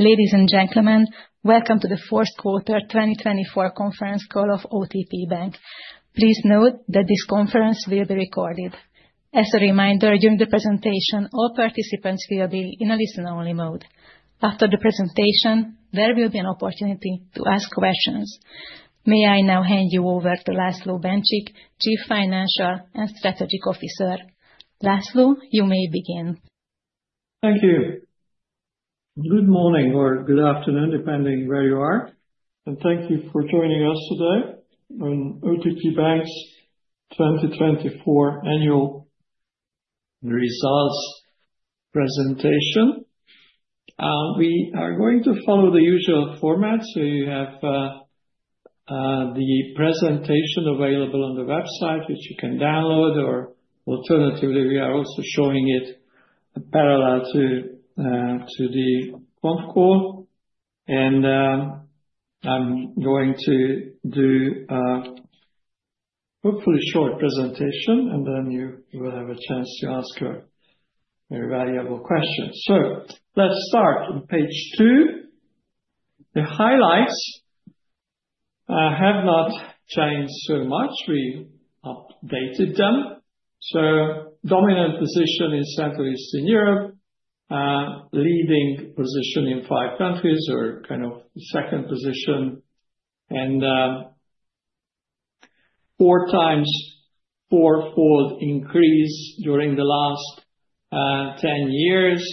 Ladies and gentlemen, welcome to the Fourth Quarter 2024 Conference Call of OTP Bank. Please note that this conference will be recorded. As a reminder, during the presentation, all participants will be in a listen-only mode. After the presentation, there will be an opportunity to ask questions. May I now hand you over to László Bencsik, Chief Financial and Strategic Officer? László, you may begin. Thank you. Good morning, or good afternoon, depending where you are. And thank you for joining us today on OTP Bank's 2024 Annual Results Presentation. We are going to follow the usual format. So you have the presentation available on the website, which you can download, or alternatively, we are also showing it parallel to the Chorus Call. And I'm going to do a hopefully short presentation, and then you will have a chance to ask your very valuable questions. So let's start on page two. The highlights have not changed so much. We updated them. So dominant position in Central Eastern Europe, leading position in five countries, or kind of second position, and four times four-fold increase during the last 10 years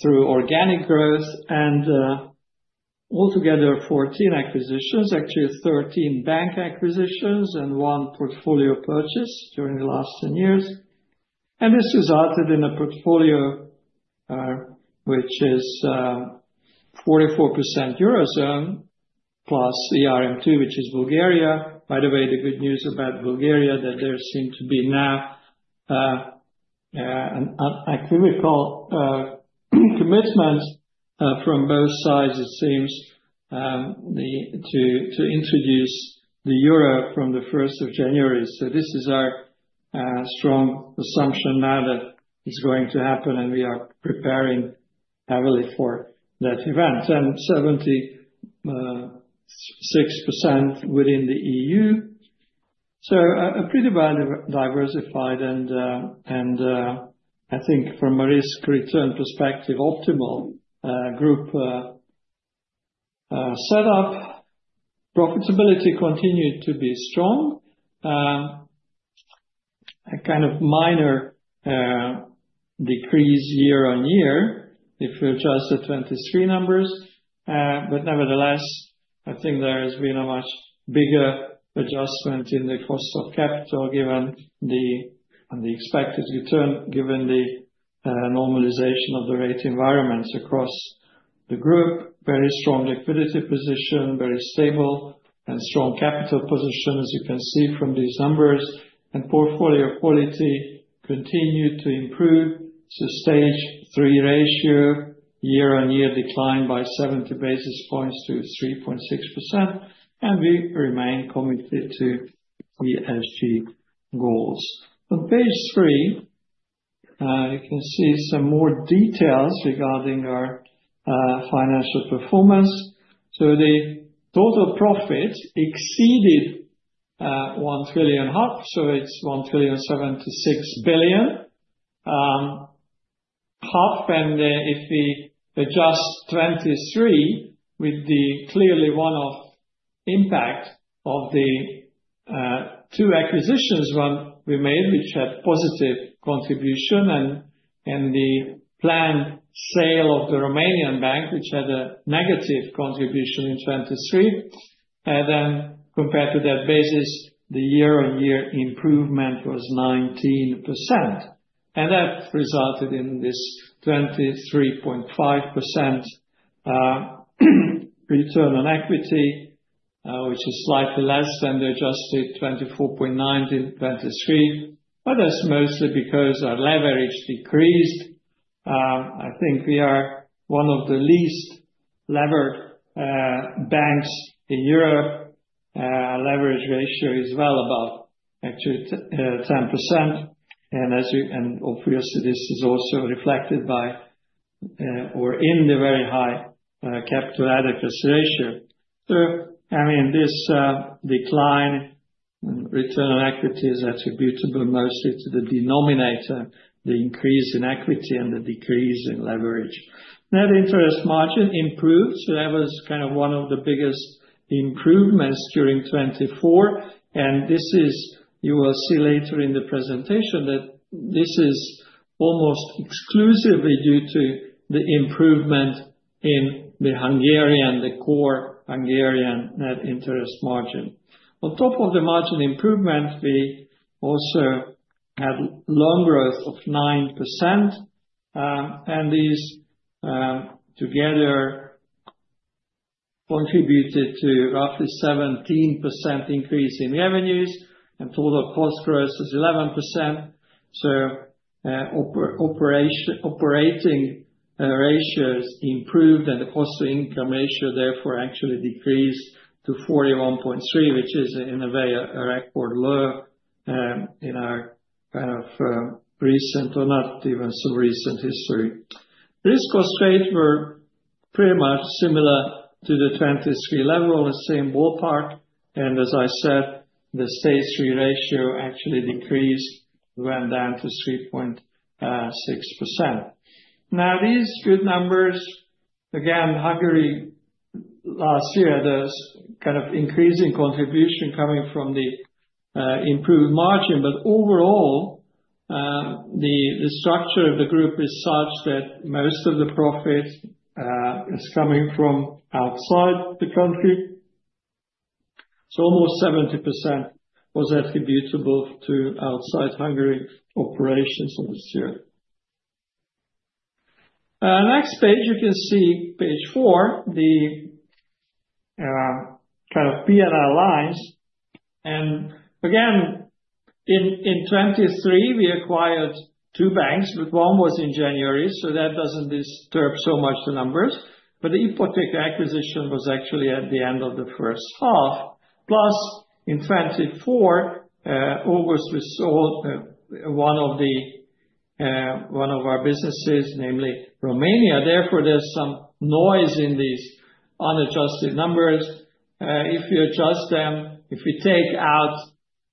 through organic growth, and altogether 14 acquisitions, actually 13 bank acquisitions and one portfolio purchase during the last 10 years. This resulted in a portfolio which is 44% Eurozone plus ERM II, which is Bulgaria. By the way, the good news about Bulgaria is that there seems to be now an unequivocal commitment from both sides, it seems, to introduce the Euro from the 1st of January. This is our strong assumption now that it's going to happen, and we are preparing heavily for that event. 76% within the EU. A pretty well-diversified, and I think from a risk-return perspective, optimal group setup. Profitability continued to be strong. A kind of minor decrease year on year, if we adjust the 2023 numbers. Nevertheless, I think there has been a much bigger adjustment in the cost of capital, given the expected return, given the normalization of the rate environments across the group. Very strong liquidity position, very stable and strong capital position, as you can see from these numbers. And portfolio quality continued to improve. So Stage 3 ratio year-on-year decline by 70 basis points to 3.6%. And we remain committed to ESG goals. On page three, you can see some more details regarding our financial performance. So the total profit exceeded 1.5 trillion. So it's 1,076.5 billion. And if we adjust 2023, with the clearly one-off impact of the two acquisitions we made, which had positive contribution, and the planned sale of the Romanian bank, which had a negative contribution in 2023. And then compared to that basis, the year-on-year improvement was 19%. And that resulted in this 23.5% return on equity, which is slightly less than the adjusted 24.9% in 2023. But that's mostly because our leverage decreased. I think we are one of the least levered banks in Europe. Our leverage ratio is well above, actually, 10%. And as you can obviously, this is also reflected by, or in the very high capital adequacy ratio. So I mean, this decline in return on equity is attributable mostly to the denominator, the increase in equity and the decrease in leverage. Net interest margin improved. So that was kind of one of the biggest improvements during 2024. And this is, you will see later in the presentation, that this is almost exclusively due to the improvement in the Hungarian, the core Hungarian net interest margin. On top of the margin improvement, we also had loan growth of 9%. And these together contributed to roughly 17% increase in revenues. And total cost growth is 11%. Operating ratios improved, and the cost-to-income ratio therefore actually decreased to 41.3%, which is in a way a record low in our kind of recent, or not even so recent history. Risk cost rates were pretty much similar to the 2023 level in the same ballpark. And as I said, the Stage 3 ratio actually decreased, went down to 3.6%. Now, these good numbers, again, Hungary last year, there's kind of increasing contribution coming from the improved margin. But overall, the structure of the group is such that most of the profit is coming from outside the country. So almost 70% was attributable to outside Hungary operations this year. Next page, you can see page four, the kind of P&L lines. And again, in 2023, we acquired two banks, but one was in January. So that doesn't disturb so much the numbers. The Ipoteka acquisition was actually at the end of the first half. Plus in 2024, August, we sold one of our businesses, namely Romania. Therefore, there's some noise in these unadjusted numbers. If you adjust them, if you take out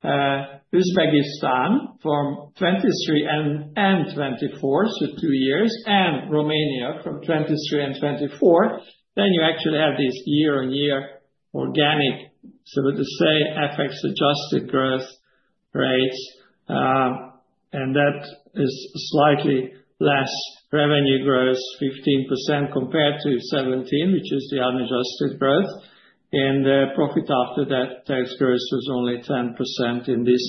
Uzbekistan from 2023 and 2024, so two years, and Romania from 2023 and 2024, then you actually have this year-on-year organic, so to say, FX-adjusted growth rates. And that is slightly less revenue growth, 15% compared to 17%, which is the unadjusted growth. And the profit after tax growth was only 10% in this.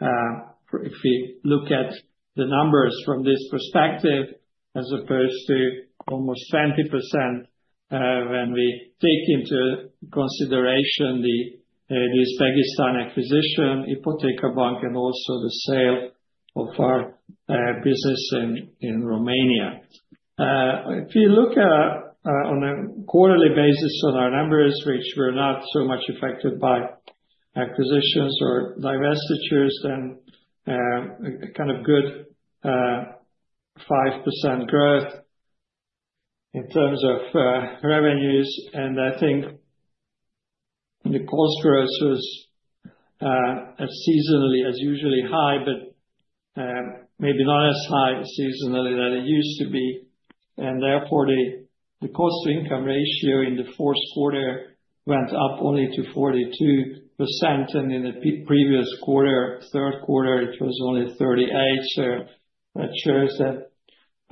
If we look at the numbers from this perspective, as opposed to almost 20% when we take into consideration the Uzbekistan acquisition, Ipoteka Bank, and also the sale of our business in Romania. If you look on a quarterly basis on our numbers, which were not so much affected by acquisitions or divestitures, then kind of good 5% growth in terms of revenues. And I think the cost growth was seasonally, as usually, high, but maybe not as high seasonally than it used to be. And therefore, the cost-to-income ratio in the fourth quarter went up only to 42%. And in the previous quarter, third quarter, it was only 38%. So that shows that,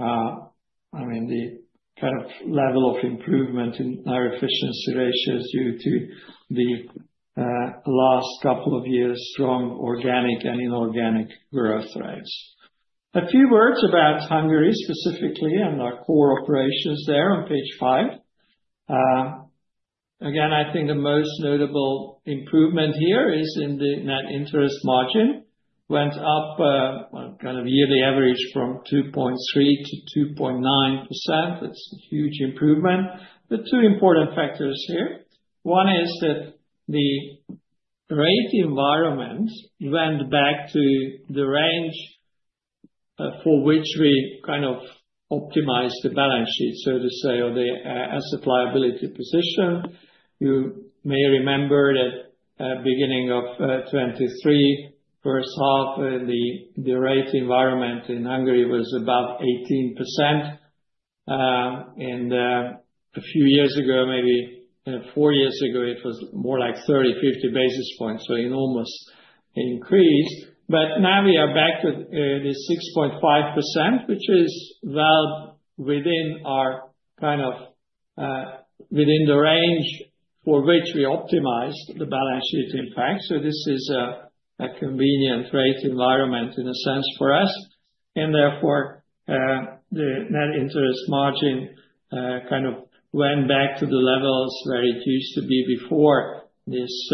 I mean, the kind of level of improvement in our efficiency ratios due to the last couple of years' strong organic and inorganic growth rates. A few words about Hungary specifically and our core operations there on page five. Again, I think the most notable improvement here is in the net interest margin went up, kind of yearly average from 2.3%- 2.9%. That's a huge improvement. But two important factors here. One is that the rate environment went back to the range for which we kind of optimized the balance sheet, so to say, or the asset liability position. You may remember that at the beginning of 2023, first half, the rate environment in Hungary was above 18%. And a few years ago, maybe four years ago, it was more like 30, 50 basis points. So it almost increased. But now we are back to this 6.5%, which is well within our kind of the range for which we optimized the balance sheet, in fact. So this is a convenient rate environment in a sense for us. And therefore, the net interest margin kind of went back to the levels where it used to be before this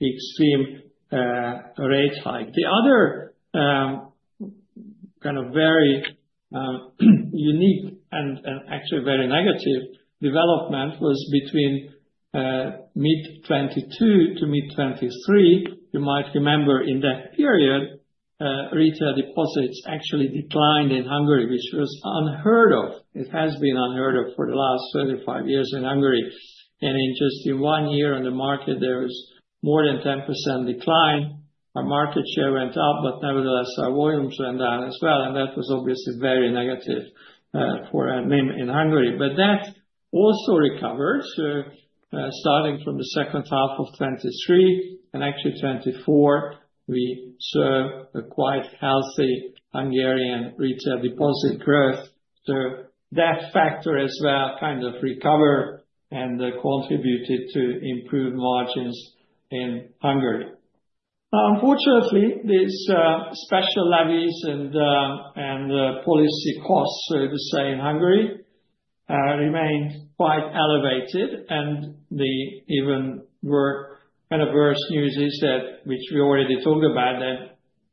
extreme rate hike. The other kind of very unique and actually very negative development was between mid-2022 to mid-2023. You might remember in that period, retail deposits actually declined in Hungary, which was unheard of. It has been unheard of for the last 35 years in Hungary. And in just one year on the market, there was more than 10% decline. Our market share went up, but nevertheless, our volumes went down as well. And that was obviously very negative for us in Hungary. But that also recovered. So starting from the second half of 2023 and actually 2024, we saw a quite healthy Hungarian retail deposit growth. So that factor as well kind of recovered and contributed to improved margins in Hungary. Unfortunately, these special levies and policy costs, so to say, in Hungary remained quite elevated. And the even worse news is that, which we already talked about,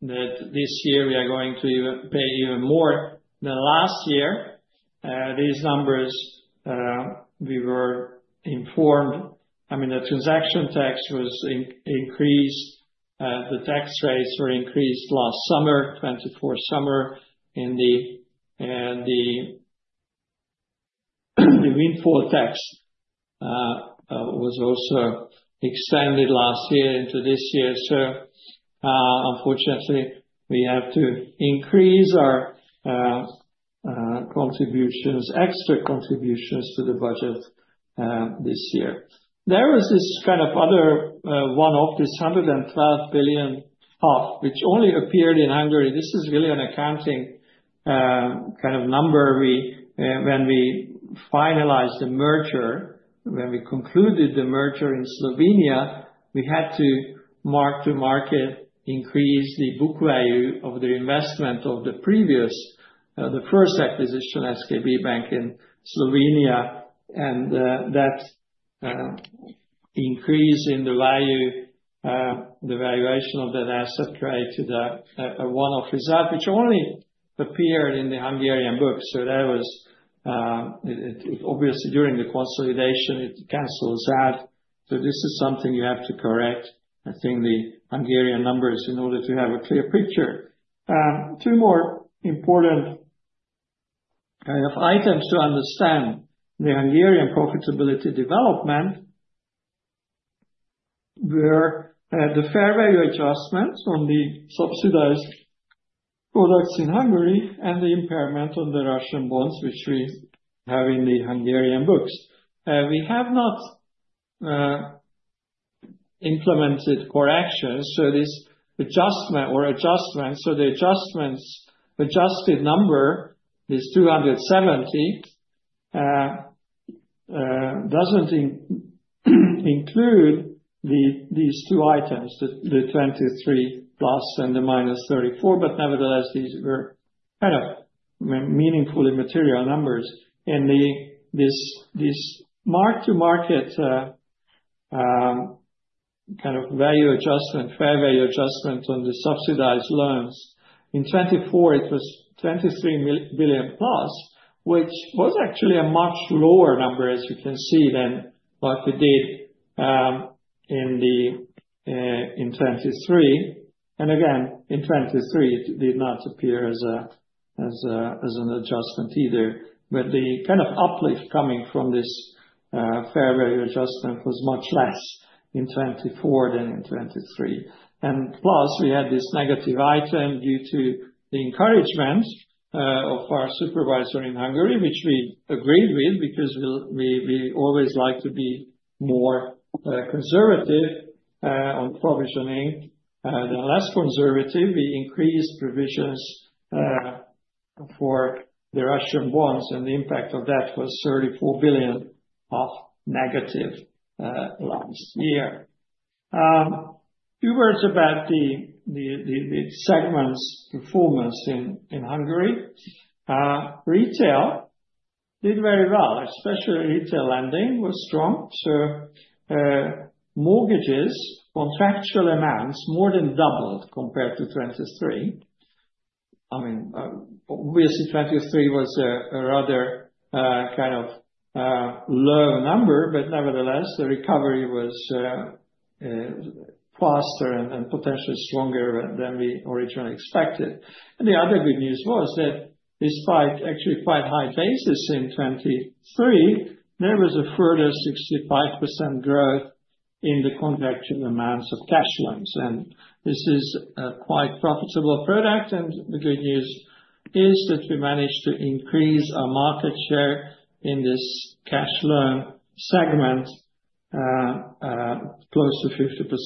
that this year we are going to pay even more than last year. These numbers, we were informed, I mean, the transaction tax was increased. The tax rates were increased last summer, 2024 summer. And the windfall tax was also extended last year into this year. So unfortunately, we have to increase our contributions, extra contributions to the budget this year. There was this kind of other one-off, this 112 billion, which only appeared in Hungary. This is really an accounting kind of number. When we finalized the merger, when we concluded the merger in Slovenia, we had to mark to market, increase the book value of the investment of the previous, the first acquisition, SKB Banka in Slovenia. That increase in the value, the valuation of that asset trade to the one-off result, which only appeared in the Hungarian book. That was obviously during the consolidation, it cancels out. This is something you have to correct, I think, the Hungarian numbers in order to have a clear picture. Two more important kind of items to understand the Hungarian profitability development were the fair value adjustments on the subsidized products in Hungary and the impairment on the Russian bonds, which we have in the Hungarian books. We have not implemented corrections. This adjustment or adjustments, so the adjustments adjusted number is 270, doesn't include these two items, the 23+ and the -34. But nevertheless, these were kind of meaningfully material numbers. This mark to market kind of value adjustment, fair value adjustment on the subsidized loans, in 2024, it was 23+ billion, which was actually a much lower number, as you can see, than what we did in 2023. Again, in 2023, it did not appear as an adjustment either. The kind of uplift coming from this fair value adjustment was much less in 2024 than in 2023. Plus, we had this negative item due to the encouragement of our supervisor in Hungary, which we agreed with because we always like to be more conservative on provisioning than less conservative. We increased provisions for the Russian bonds. The impact of that was -34 billion last year. Two words about the segment's performance in Hungary. Retail did very well. Especially retail lending was strong. So mortgages, contractual amounts more than doubled compared to 2023. I mean, obviously, 2023 was a rather kind of low number, but nevertheless, the recovery was faster and potentially stronger than we originally expected. And the other good news was that despite actually quite high basis in 2023, there was a further 65% growth in the contractual amounts of cash loans. And this is a quite profitable product. And the good news is that we managed to increase our market share in this cash loan segment close to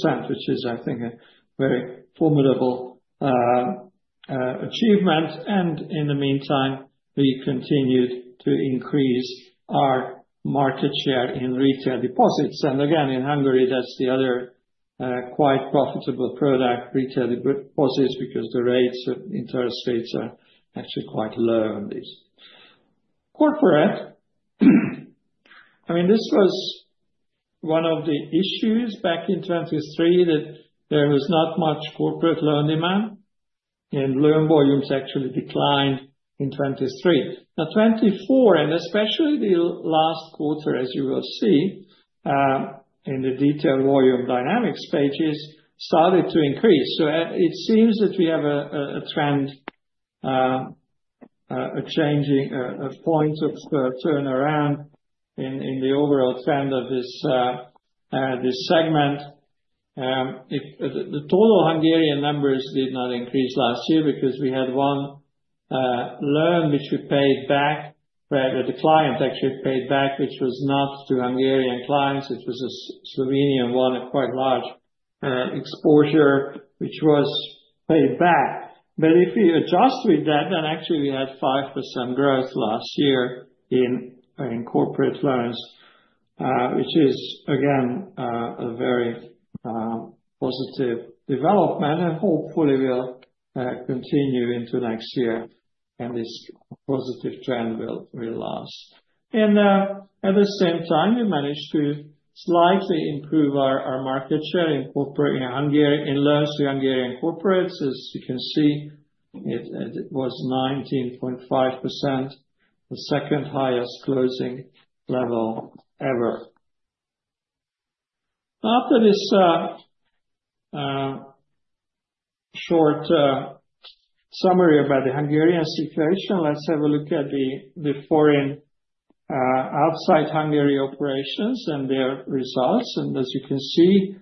50%, which is, I think, a very formidable achievement. And in the meantime, we continued to increase our market share in retail deposits. And again, in Hungary, that's the other quite profitable product, retail deposits, because the interest rates are actually quite low on these. Corporate, I mean, this was one of the issues back in 2023 that there was not much corporate loan demand. Loan volumes actually declined in 2023. Now, 2024, and especially the last quarter, as you will see in the detailed volume dynamics pages, started to increase. It seems that we have a trend, a changing point of turnaround in the overall trend of this segment. The total Hungarian numbers did not increase last year because we had one loan which we paid back, that the client actually paid back, which was not to Hungarian clients. It was a Slovenian one, a quite large exposure, which was paid back. But if we adjust with that, then actually we had 5% growth last year in corporate loans, which is, again, a very positive development and hopefully will continue into next year. This positive trend will last. At the same time, we managed to slightly improve our market share in corporate in loans to Hungarian corporates. As you can see, it was 19.5%, the second highest closing level ever. After this short summary about the Hungarian situation, let's have a look at the foreign outside Hungary operations and their results, and as you can see,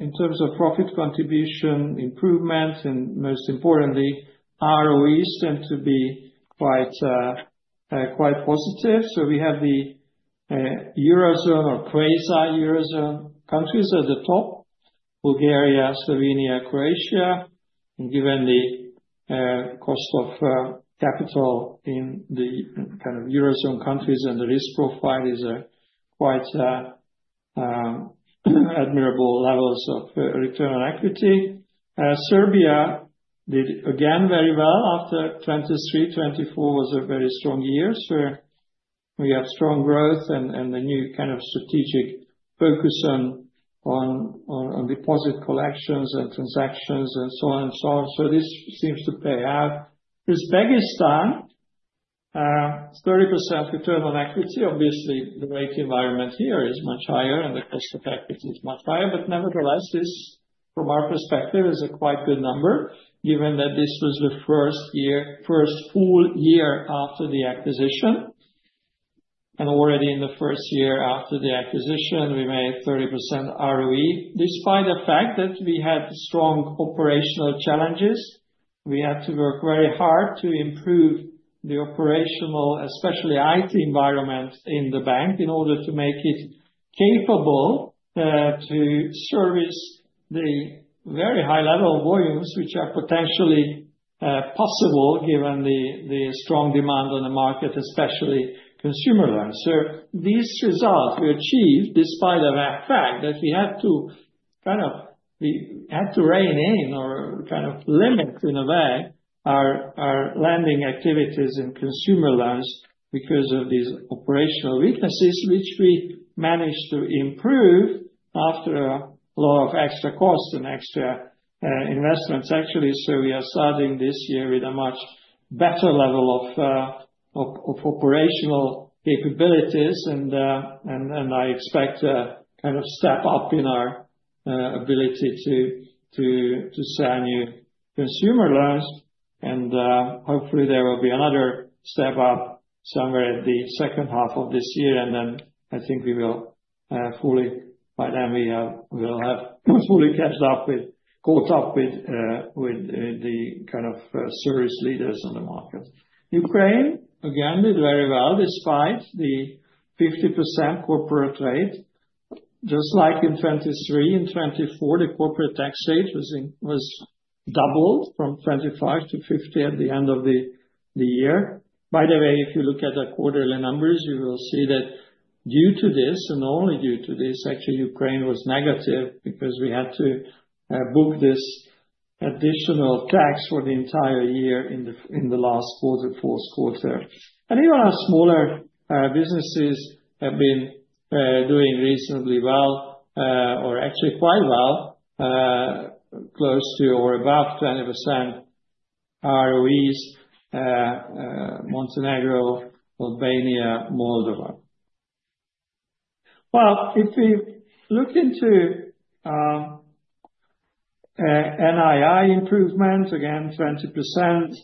in terms of profit contribution improvement and most importantly, ROEs tend to be quite positive, so we have the Eurozone or quasi-Eurozone countries at the top, Bulgaria, Slovenia, Croatia, and given the cost of capital in the kind of Eurozone countries and the risk profile is quite admirable levels of return on equity. Serbia did again very well after 2023. 2024 was a very strong year, so we have strong growth and the new kind of strategic focus on deposit collections and transactions and so on and so on, so this seems to pay out. Uzbekistan, 30% return on equity. Obviously, the rate environment here is much higher and the cost of equity is much higher. But nevertheless, this from our perspective is a quite good number, given that this was the first full year after the acquisition. And already in the first year after the acquisition, we made 30% ROE. Despite the fact that we had strong operational challenges, we had to work very hard to improve the operational, especially IT environment in the bank in order to make it capable to service the very high level volumes, which are potentially possible given the strong demand on the market, especially consumer loans. These results we achieved despite the fact that we had to kind of rein in or kind of limit in a way our lending activities in consumer loans because of these operational weaknesses, which we managed to improve after a lot of extra costs and extra investments, actually. We are starting this year with a much better level of operational capabilities. I expect a kind of step up in our ability to sell new consumer loans. Hopefully, there will be another step up somewhere at the second half of this year. Then I think we will fully, by then we will have fully caught up with the kind of service leaders on the market. Ukraine, again, did very well despite the 50% corporate rate. Just like in 2023, in 2024, the corporate tax rate was doubled from 25% to 50% at the end of the year. By the way, if you look at the quarterly numbers, you will see that due to this, and only due to this, actually Ukraine was negative because we had to book this additional tax for the entire year in the last quarter, fourth quarter. And even our smaller businesses have been doing reasonably well, or actually quite well, close to or above 20% ROEs, Montenegro, Albania, Moldova. Well, if we look into NII improvements, again, 20%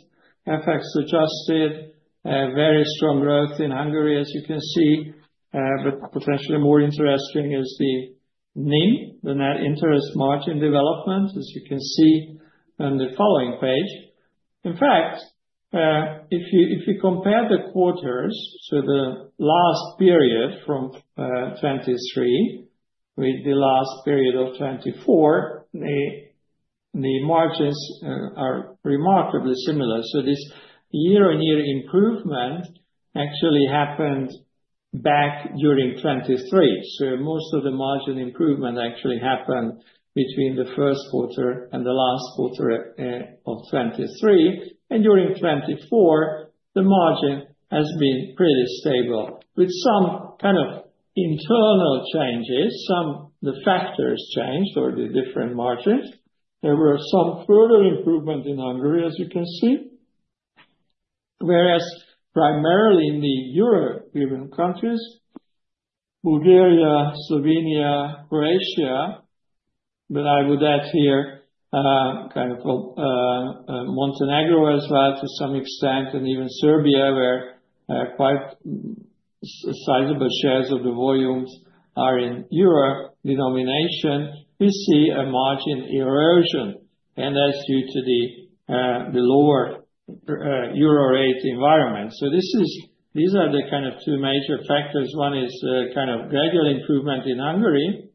FX adjusted, very strong growth in Hungary, as you can see. But potentially more interesting is the NIM, the net interest margin development, as you can see on the following page. In fact, if you compare the quarters, so the last period from 2023 with the last period of 2024, the margins are remarkably similar. So this year-on-year improvement actually happened back during 2023. So most of the margin improvement actually happened between the first quarter and the last quarter of 2023. And during 2024, the margin has been pretty stable with some kind of internal changes. Some of the factors changed or the different margins. There were some further improvement in Hungary, as you can see. Whereas primarily in the European countries, Bulgaria, Slovenia, Croatia, but I would add here kind of Montenegro as well to some extent, and even Serbia, where quite sizable shares of the volumes are in euro denomination, we see a margin erosion. And that's due to the lower euro rate environment. So these are the kind of two major factors. One is kind of a gradual improvement in Hungary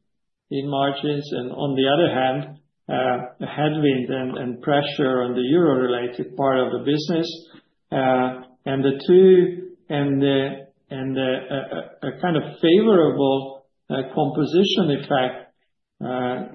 in margins, and on the other hand, a headwind and pressure on the euro-related part of the business, and the two and a kind of favorable composition effect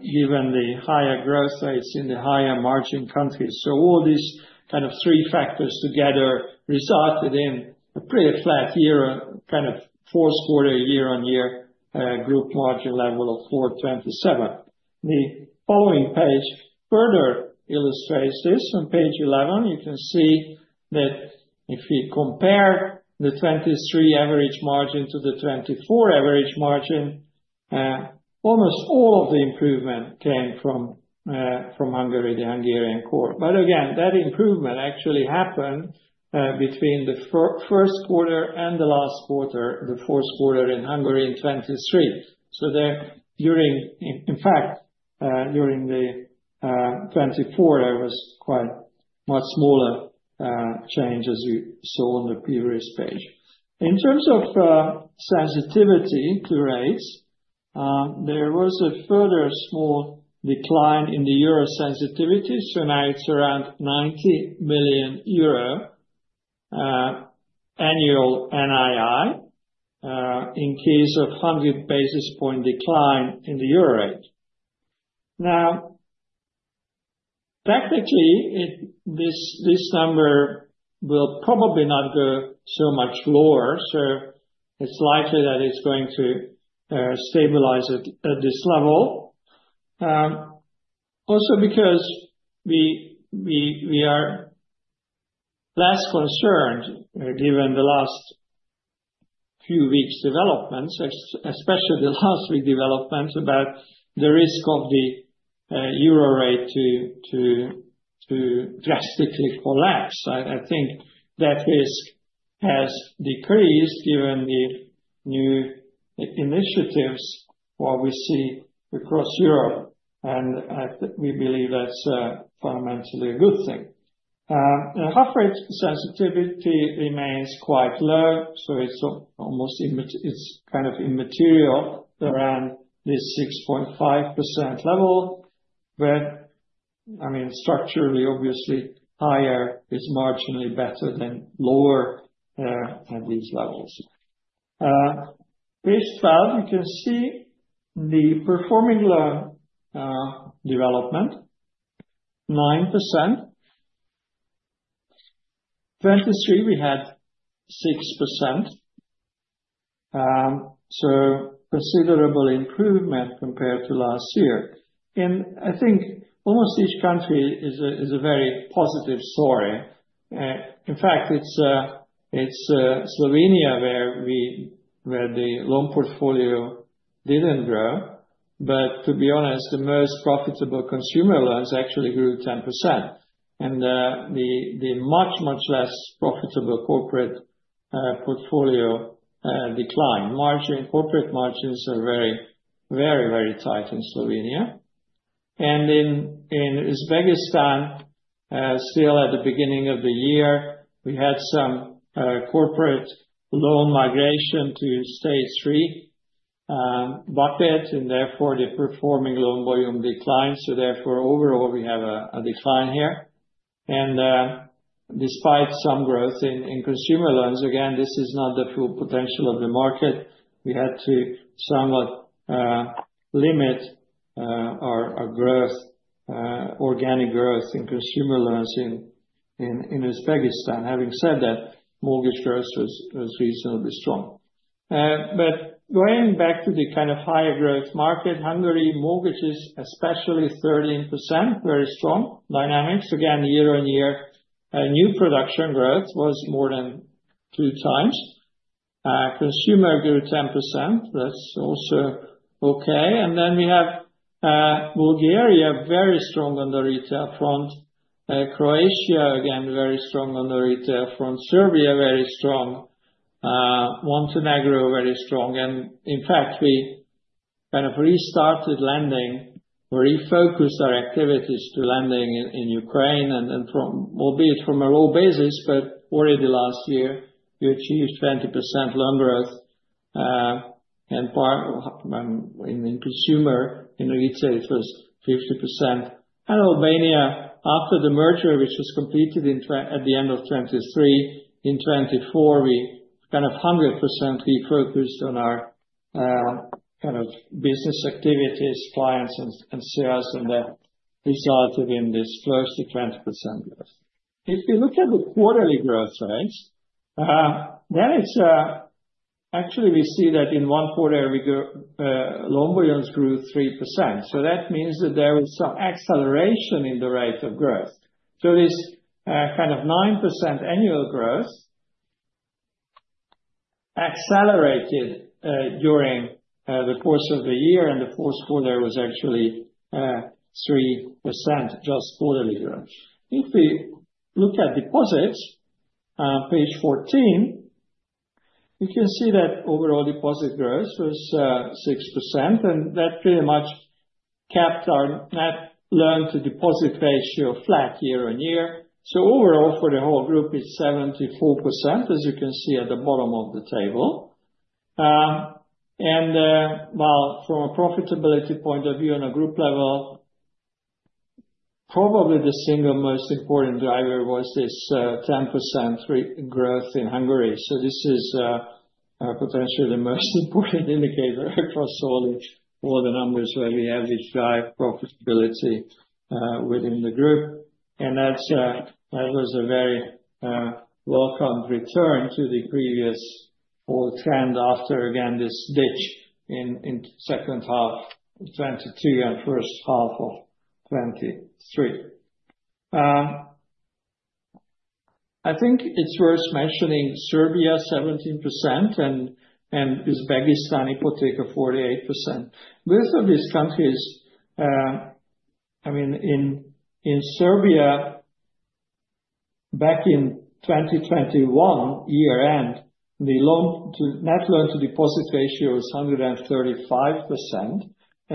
given the higher growth rates in the higher margin countries, so all these kind of three factors together resulted in a pretty flat year kind of fourth quarter year-on-year group margin level of 427. The following page further illustrates this. On page 11, you can see that if we compare the 2023 average margin to the 2024 average margin, almost all of the improvement came from Hungary, the Hungarian core, but again, that improvement actually happened between the first quarter and the last quarter, the fourth quarter in Hungary in 2023, so, in fact, during the 2024, there was quite much smaller change as we saw on the previous page. In terms of sensitivity to rates, there was a further small decline in the euro sensitivity. So now it's around 90 million euro annual NII in case of 100 basis point decline in the euro rate. Now, technically, this number will probably not go so much lower. So it's likely that it's going to stabilize at this level. Also because we are less concerned given the last few weeks' developments, especially the last week developments about the risk of the euro rate to drastically collapse. I think that risk has decreased given the new initiatives while we see across Europe. And we believe that's fundamentally a good thing. The HUF rate sensitivity remains quite low. So it's almost it's kind of immaterial around this 6.5% level. But I mean, structurally, obviously, higher is marginally better than lower at these levels. Based on, you can see the performing loan development, 9%. 2023, we had 6%. So considerable improvement compared to last year. And I think almost each country is a very positive story. In fact, it's Slovenia where the loan portfolio didn't grow. But to be honest, the most profitable consumer loans actually grew 10%. And the much, much less profitable corporate portfolio declined. Corporate margins are very, very, very tight in Slovenia. And in Uzbekistan, still at the beginning of the year, we had some corporate loan migration to Stage 3 bucket. And therefore, the performing loan volume declined. So therefore, overall, we have a decline here. And despite some growth in consumer loans, again, this is not the full potential of the market. We had to somewhat limit our growth, organic growth in consumer loans in Uzbekistan. Having said that, mortgage growth was reasonably strong. But going back to the kind of higher growth market, Hungary mortgages, especially 13%, very strong dynamics. Again, year-on-year, new production growth was more than two times. Consumer grew 10%. That's also okay. And then we have Bulgaria, very strong on the retail front. Croatia, again, very strong on the retail front. Serbia, very strong. Montenegro, very strong. And in fact, we kind of restarted lending or refocused our activities to lending in Ukraine. And then from, albeit from a low basis, but already last year, we achieved 20% loan growth. And in consumer in retail, it was 50%. And Albania, after the merger, which was completed at the end of 2023, in 2024, we kind of 100% refocused on our kind of business activities, clients and sales. And that resulted in this close to 20% growth. If we look at the quarterly growth rates, then it's actually we see that in one quarter, loan volumes grew 3%. So that means that there was some acceleration in the rate of growth. So this kind of 9% annual growth accelerated during the course of the year. And the fourth quarter was actually 3% just quarterly growth. If we look at deposits, page 14, you can see that overall deposit growth was 6%. And that pretty much kept our net loan to deposit ratio flat year-on-year. So overall, for the whole group, it's 74%, as you can see at the bottom of the table. And while from a profitability point of view on a group level, probably the single most important driver was this 10% growth in Hungary. So this is potentially the most important indicator across all the numbers where we have this drive profitability within the group. That was a very welcomed return to the previous overall trend after, again, this dip in second half of 2022 and first half of 2023. I think it's worth mentioning Serbia, 17%, and Uzbekistan, Ipoteca, 48%. Both of these countries, I mean, in Serbia, back in 2021, year-end, the net loan to deposit ratio was 135%.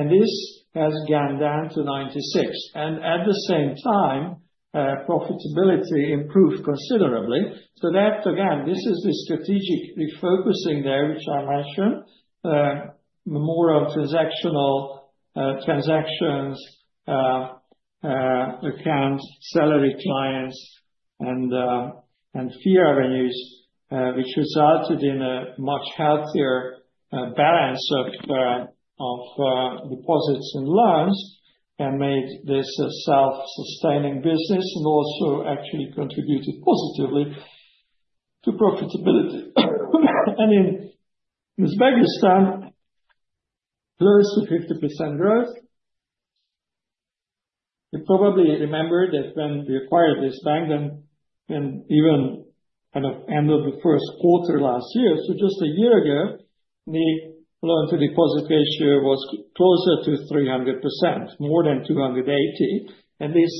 This has gone down to 96%. At the same time, profitability improved considerably. That, again, is the strategic refocusing there, which I mentioned, more on transactional transactions, account, salary clients, and fee revenues, which resulted in a much healthier balance of deposits and loans and made this a self-sustaining business and also actually contributed positively to profitability. In Uzbekistan, close to 50% growth. You probably remember that when we acquired this bank, then even kind of end of the first quarter last year. Just a year ago, the loan to deposit ratio was closer to 300%, more than 280, and this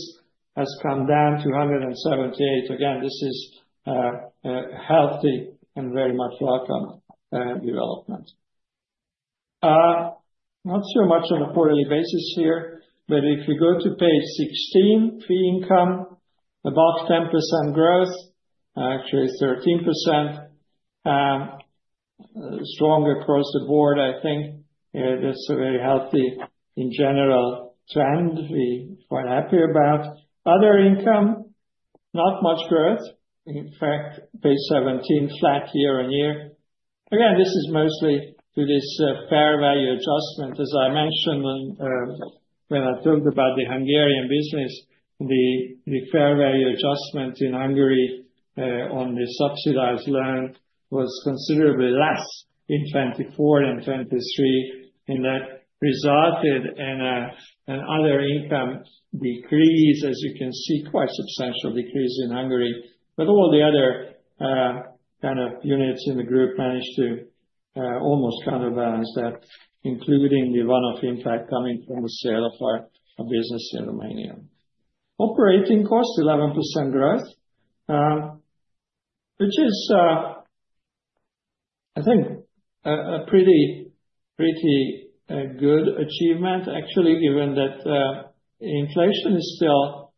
has come down to 178. Again, this is a healthy and very much welcome development, not so much on a quarterly basis here, but if you go to page 16, fee income, above 10% growth, actually 13%, strong across the board. I think that's a very healthy in general trend we're quite happy about. Other income, not much growth. In fact, page 17, flat year-on-year. Again, this is mostly to this fair value adjustment. As I mentioned, when I talked about the Hungarian business, the fair value adjustment in Hungary on the subsidized loan was considerably less in 2024 and 2023. And that resulted in other income decrease, as you can see, quite substantial decrease in Hungary. But all the other kind of units in the group managed to almost counterbalance that, including the one-off impact coming from the sale of our business in Romania. Operating costs, 11% growth, which is, I think, a pretty good achievement, actually, given that inflation is still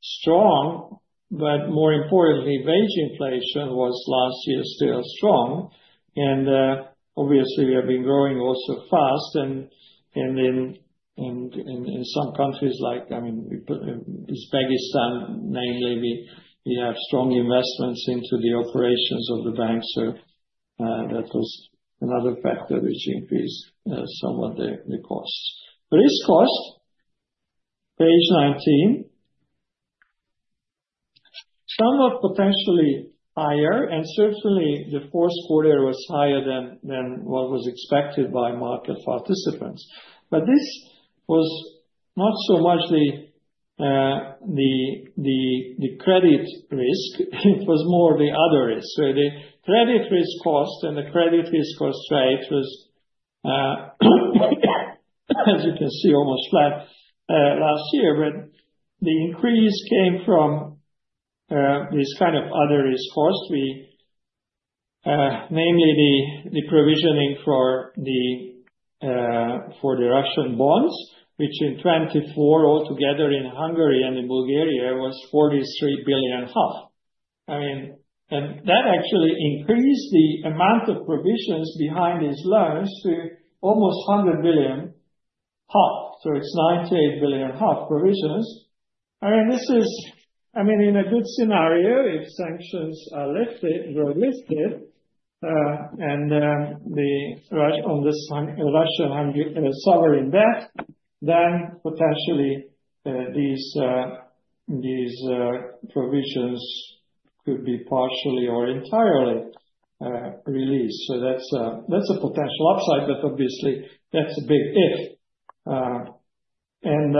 strong. But more importantly, wage inflation was last year still strong. And obviously, we have been growing also fast. And in some countries, like Uzbekistan mainly, we have strong investments into the operations of the bank. So that was another factor which increased somewhat the costs. But this cost, page 19, somewhat potentially higher. And certainly, the fourth quarter was higher than what was expected by market participants. But this was not so much the credit risk. It was more the other risk. So the credit risk cost and the credit risk cost rate was, as you can see, almost flat last year. But the increase came from this kind of other risk cost, namely the provisioning for the Russian bonds, which in 2024, altogether in Hungary and in Bulgaria, was 43 billion. I mean, and that actually increased the amount of provisions behind these loans to almost 100 billion. So it's 98 billion provisions. I mean, this is, I mean, in a good scenario, if sanctions are lifted and Russia grows, and the Russian sovereign debt, then potentially these provisions could be partially or entirely released. So that's a potential upside. But obviously, that's a big if. And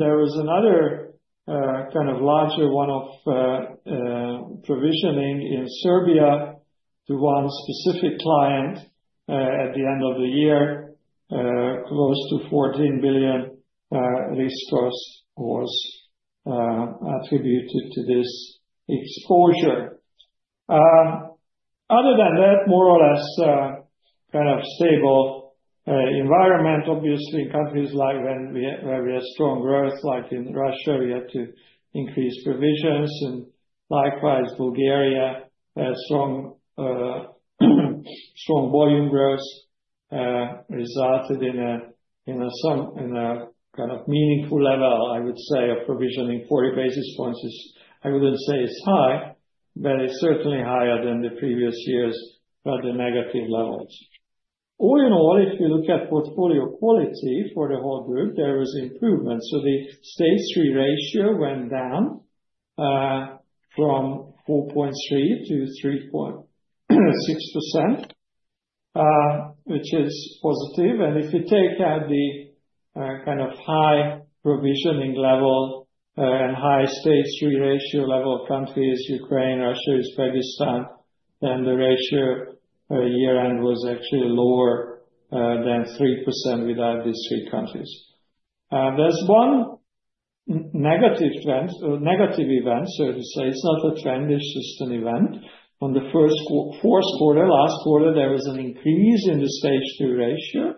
there was another kind of larger one-off provisioning in Serbia to one specific client at the end of the year. Close to 14 billion risk cost was attributed to this exposure. Other than that, more or less kind of stable environment, obviously, in countries where we have strong growth, like in Russia, we had to increase provisions. And likewise, Bulgaria, strong volume growth resulted in a kind of meaningful level, I would say, of provisioning 40 basis points. I wouldn't say it's high, but it's certainly higher than the previous years, rather negative levels. All in all, if we look at portfolio quality for the whole group, there was improvement. So the Stage 3 ratio went down from 4.3% to 3.6%, which is positive. And if you take out the kind of high provisioning level and high Stage 3 ratio level countries, Ukraine, Russia, Uzbekistan, then the ratio year-end was actually lower than 3% without these three countries. There's one negative trend, negative event, so to say. It's not a trend. It's just an event. On the fourth quarter, last quarter, there was an increase in the Stage 2 ratio,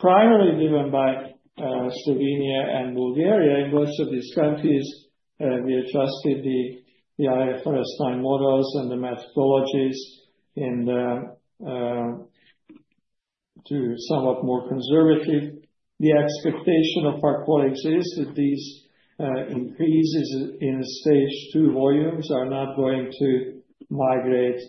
primarily driven by Slovenia and Bulgaria. In both of these countries, we adjusted the IFRS 9 models and the methodologies to somewhat more conservative. The expectation of our colleagues is that these increases in Stage 2 volumes are not going to migrate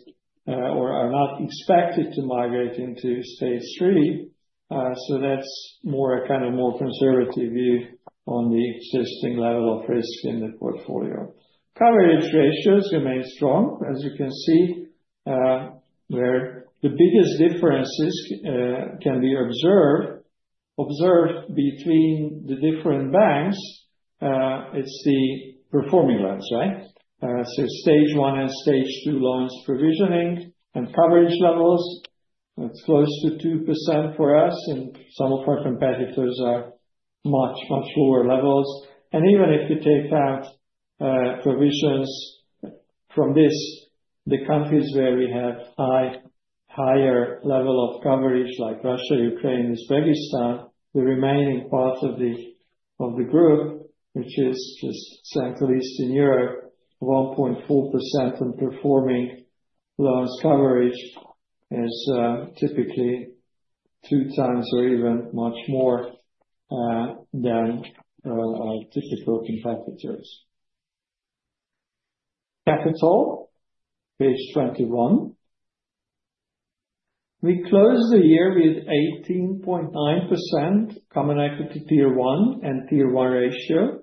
or are not expected to migrate into Stage 3. So that's more a kind of more conservative view on the existing level of risk in the portfolio. Coverage ratios remain strong, as you can see, where the biggest differences can be observed between the different banks. It's the performing loans, right? So Stage 1 and Stage 2 loans provisioning and coverage levels, that's close to 2% for us. And some of our competitors are much, much lower levels. And even if you take out provisions from this, the countries where we have higher level of coverage, like Russia, Ukraine, Uzbekistan, the remaining part of the group, which is just Central Eastern Europe, 1.4% on performing loans coverage is typically two times or even much more than our typical competitors. Capital, page 21. We closed the year with 18.9% Common Equity Tier 1 and Tier 1 ratio.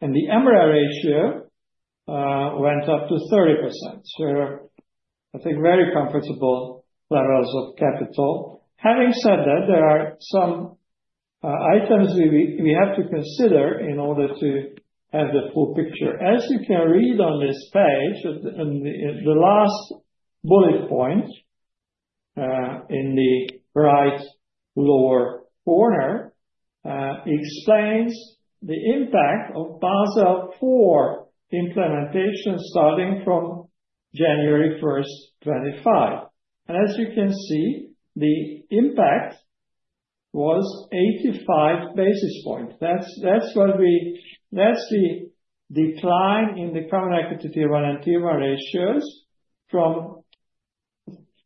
And the MREL ratio went up to 30%. So I think very comfortable levels of capital. Having said that, there are some items we have to consider in order to have the full picture. As you can read on this page, the last bullet point in the right lower corner explains the impact of Basel IV implementation starting from January 1, 2025. And as you can see, the impact was 85 basis points. That's the decline in the Common Equity Tier 1 and Tier 1 ratios from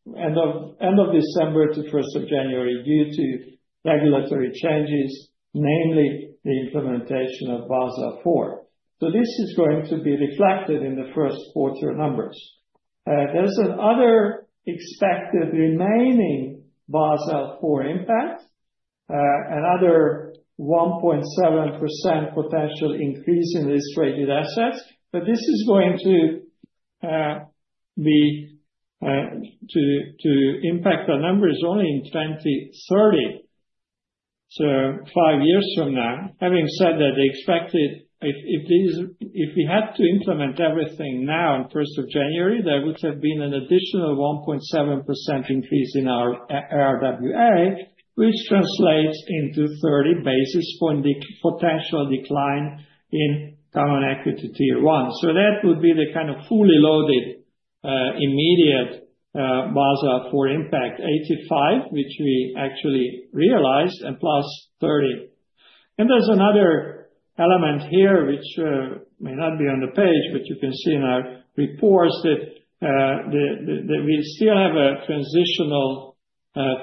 end of December to 1st of January due to regulatory changes, namely the implementation of Basel IV. So this is going to be reflected in the first quarter numbers. There's another expected remaining Basel IV impact, another 1.7% potential increase in these traded assets. But this is going to impact our numbers only in 2030, so five years from now. Having said that, if we had to implement everything now on 1st of January, there would have been an additional 1.7% increase in our RWA, which translates into 30 basis points potential decline in Common Equity Tier 1. So that would be the kind of fully loaded immediate Basel IV impact, 85, which we actually realized, and plus 30. There's another element here, which may not be on the page, but you can see in our reports that we still have a transitional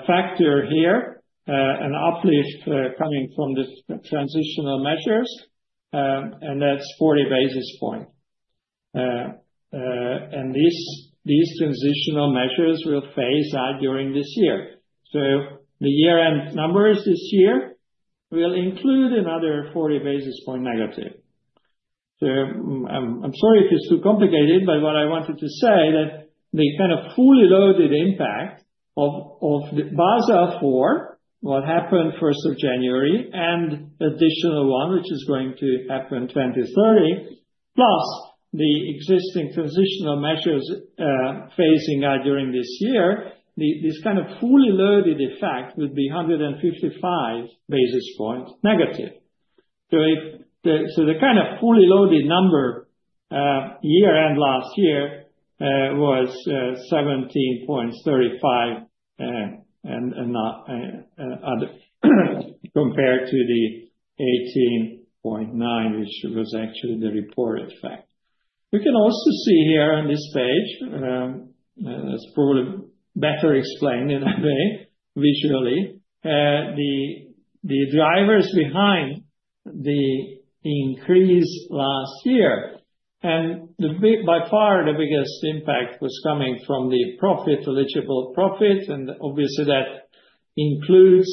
factor here, an uplift coming from the transitional measures. That's 40 basis points. These transitional measures will phase out during this year. The year-end numbers this year will include another 40 basis points negative. I'm sorry if it's too complicated, but what I wanted to say that the kind of fully loaded impact of the Basel IV, what happened 1st of January, and additional one, which is going to happen 2030, plus the existing transitional measures phasing out during this year, this kind of fully loaded effect would be 155 basis points negative. The kind of fully loaded number year-end last year was 17.35 compared to the 18.9, which was actually the reported fact. We can also see here on this page. It's probably better explained in a way, visually, the drivers behind the increase last year. And by far, the biggest impact was coming from the profit, eligible profit. And obviously, that includes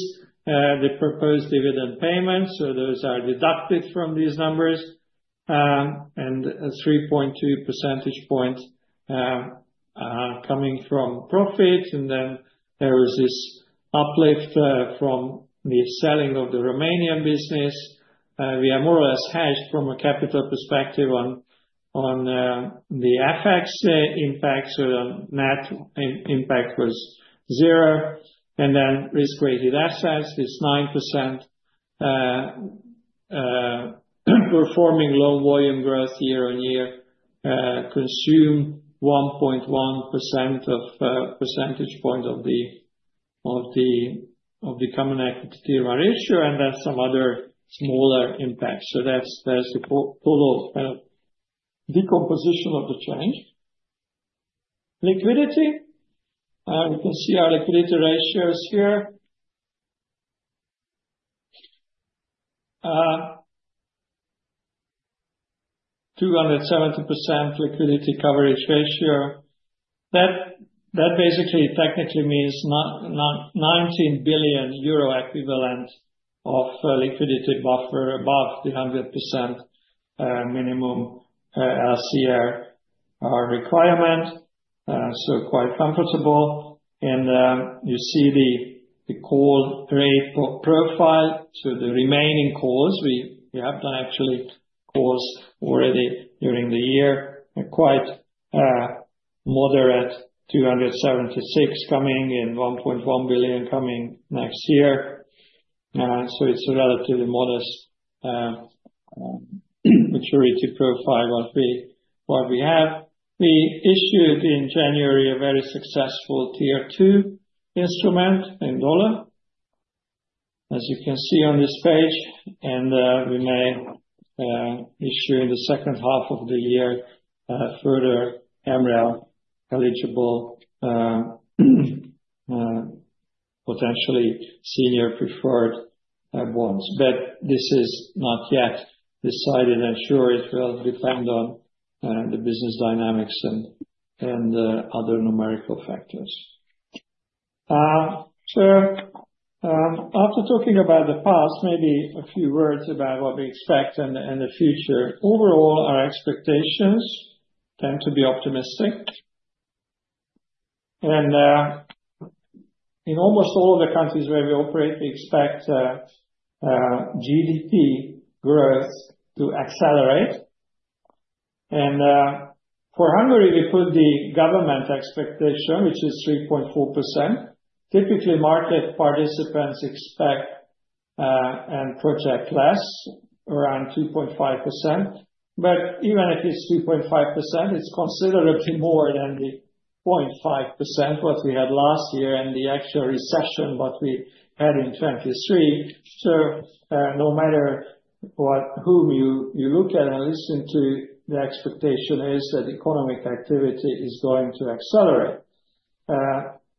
the proposed dividend payments. So those are deducted from these numbers. And 3.2 percentage points coming from profit. And then there was this uplift from the selling of the Romanian business. We are more or less hedged from a capital perspective on the FX impact. So net impact was zero. And then risk-weighted assets, it's 9%. Performing loan volume growth year-on-year consumed 1.1 percentage points of the Common Equity Tier 1 ratio. And then some other smaller impacts. So that's the total kind of decomposition of the change. Liquidity. We can see our liquidity ratios here. 270% Liquidity Coverage Ratio. That basically technically means 19 billion euro equivalent of liquidity buffer above the 100% minimum LCR requirement, so quite comfortable, and you see the call date profile, so the remaining calls, we have done actually calls already during the year, quite moderate 276 coming and 1.1 billion coming next year, so it's a relatively modest maturity profile of what we have. We issued in January a very successful Tier 2 instrument in USD, as you can see on this page, and we may issue in the second half of the year further MREL eligible, potentially senior preferred bonds, but this is not yet decided. I'm sure it will depend on the business dynamics and other numerical factors, so after talking about the past, maybe a few words about what we expect in the future. Overall, our expectations tend to be optimistic. And in almost all of the countries where we operate, we expect GDP growth to accelerate. For Hungary, we put the government expectation, which is 3.4%. Typically, market participants expect and project less, around 2.5%. But even if it's 2.5%, it's considerably more than the 0.5% what we had last year and the actual recession what we had in 2023. No matter whom you look at and listen to, the expectation is that economic activity is going to accelerate.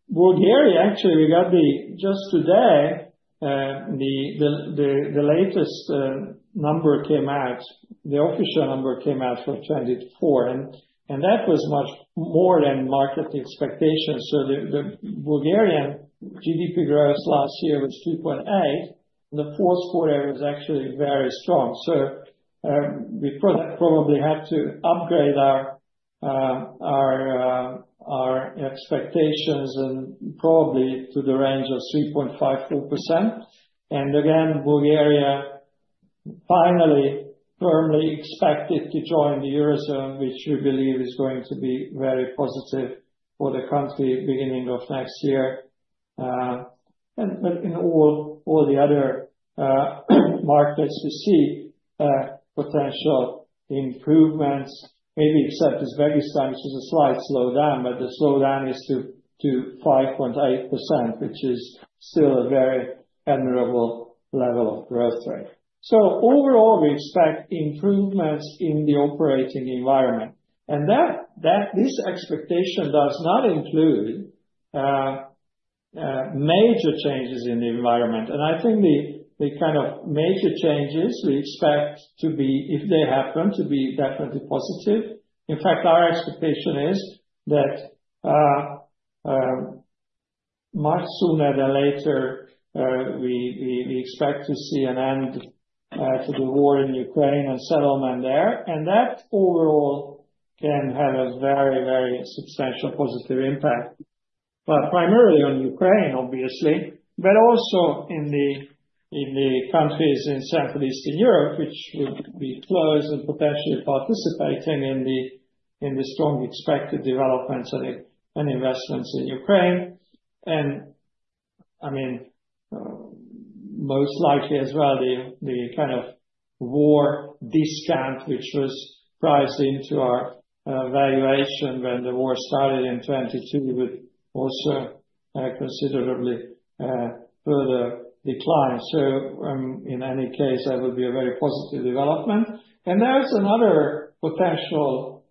Bulgaria. Actually, we got just today, the latest number came out, the official number came out for 2024. And that was much more than market expectations. The Bulgarian GDP growth last year was 2.8%. The fourth quarter was actually very strong. We probably had to upgrade our expectations and probably to the range of 3.5%-4%. And again, Bulgaria finally firmly expected to join the Eurozone, which we believe is going to be very positive for the country beginning of next year. And in all the other markets, we see potential improvements, maybe except Uzbekistan, which is a slight slowdown. But the slowdown is to 5.8%, which is still a very admirable level of growth rate. So overall, we expect improvements in the operating environment. And this expectation does not include major changes in the environment. And I think the kind of major changes we expect to be, if they happen, to be definitely positive. In fact, our expectation is that much sooner than later, we expect to see an end to the war in Ukraine and settlement there. And that overall can have a very, very substantial positive impact, primarily on Ukraine, obviously, but also in the countries in Central Eastern Europe, which would be close and potentially participating in the strong expected developments and investments in Ukraine. And I mean, most likely as well, the kind of war discount, which was priced into our valuation when the war started in 2022, would also considerably further decline. So in any case, that would be a very positive development. And there's another potential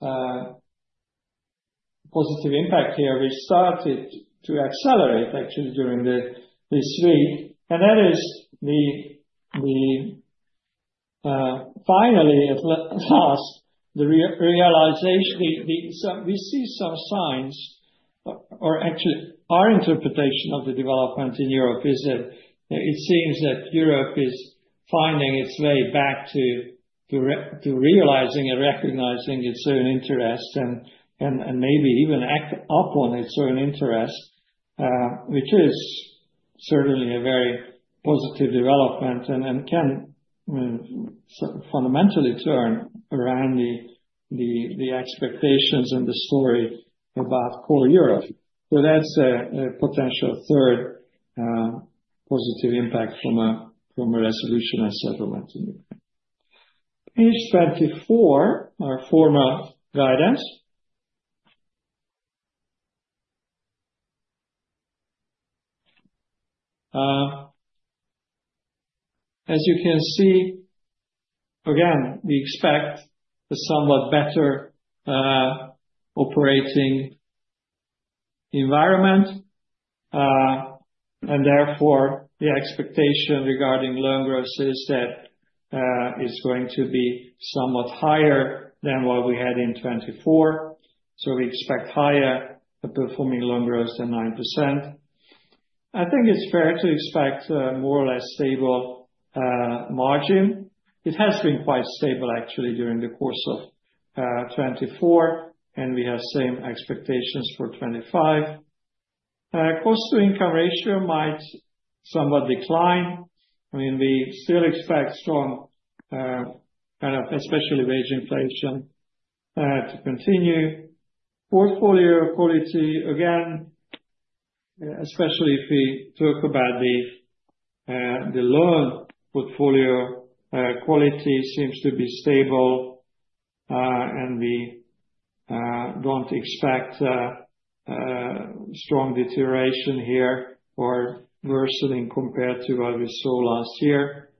positive impact here, which started to accelerate, actually, during this week. And that is finally, at last, the realization. We see some signs, or actually, our interpretation of the development in Europe is that it seems that Europe is finding its way back to realizing and recognizing its own interests and maybe even act upon its own interests, which is certainly a very positive development and can fundamentally turn around the expectations and the story about core Europe, so that's a potential third positive impact from a resolution and settlement in Ukraine. Page 24, our former guidance. As you can see, again, we expect a somewhat better operating environment and therefore, the expectation regarding loan growth is that it's going to be somewhat higher than what we had in 2024, so we expect higher performing loan growth than 9%. I think it's fair to expect more or less stable margin. It has been quite stable, actually, during the course of 2024, and we have same expectations for 2025. Cost-to-income ratio might somewhat decline. I mean, we still expect strong kind of, especially wage inflation, to continue. Portfolio quality, again, especially if we talk about the loan portfolio quality, seems to be stable. And we don't expect strong deterioration here or worsening compared to what we saw last year.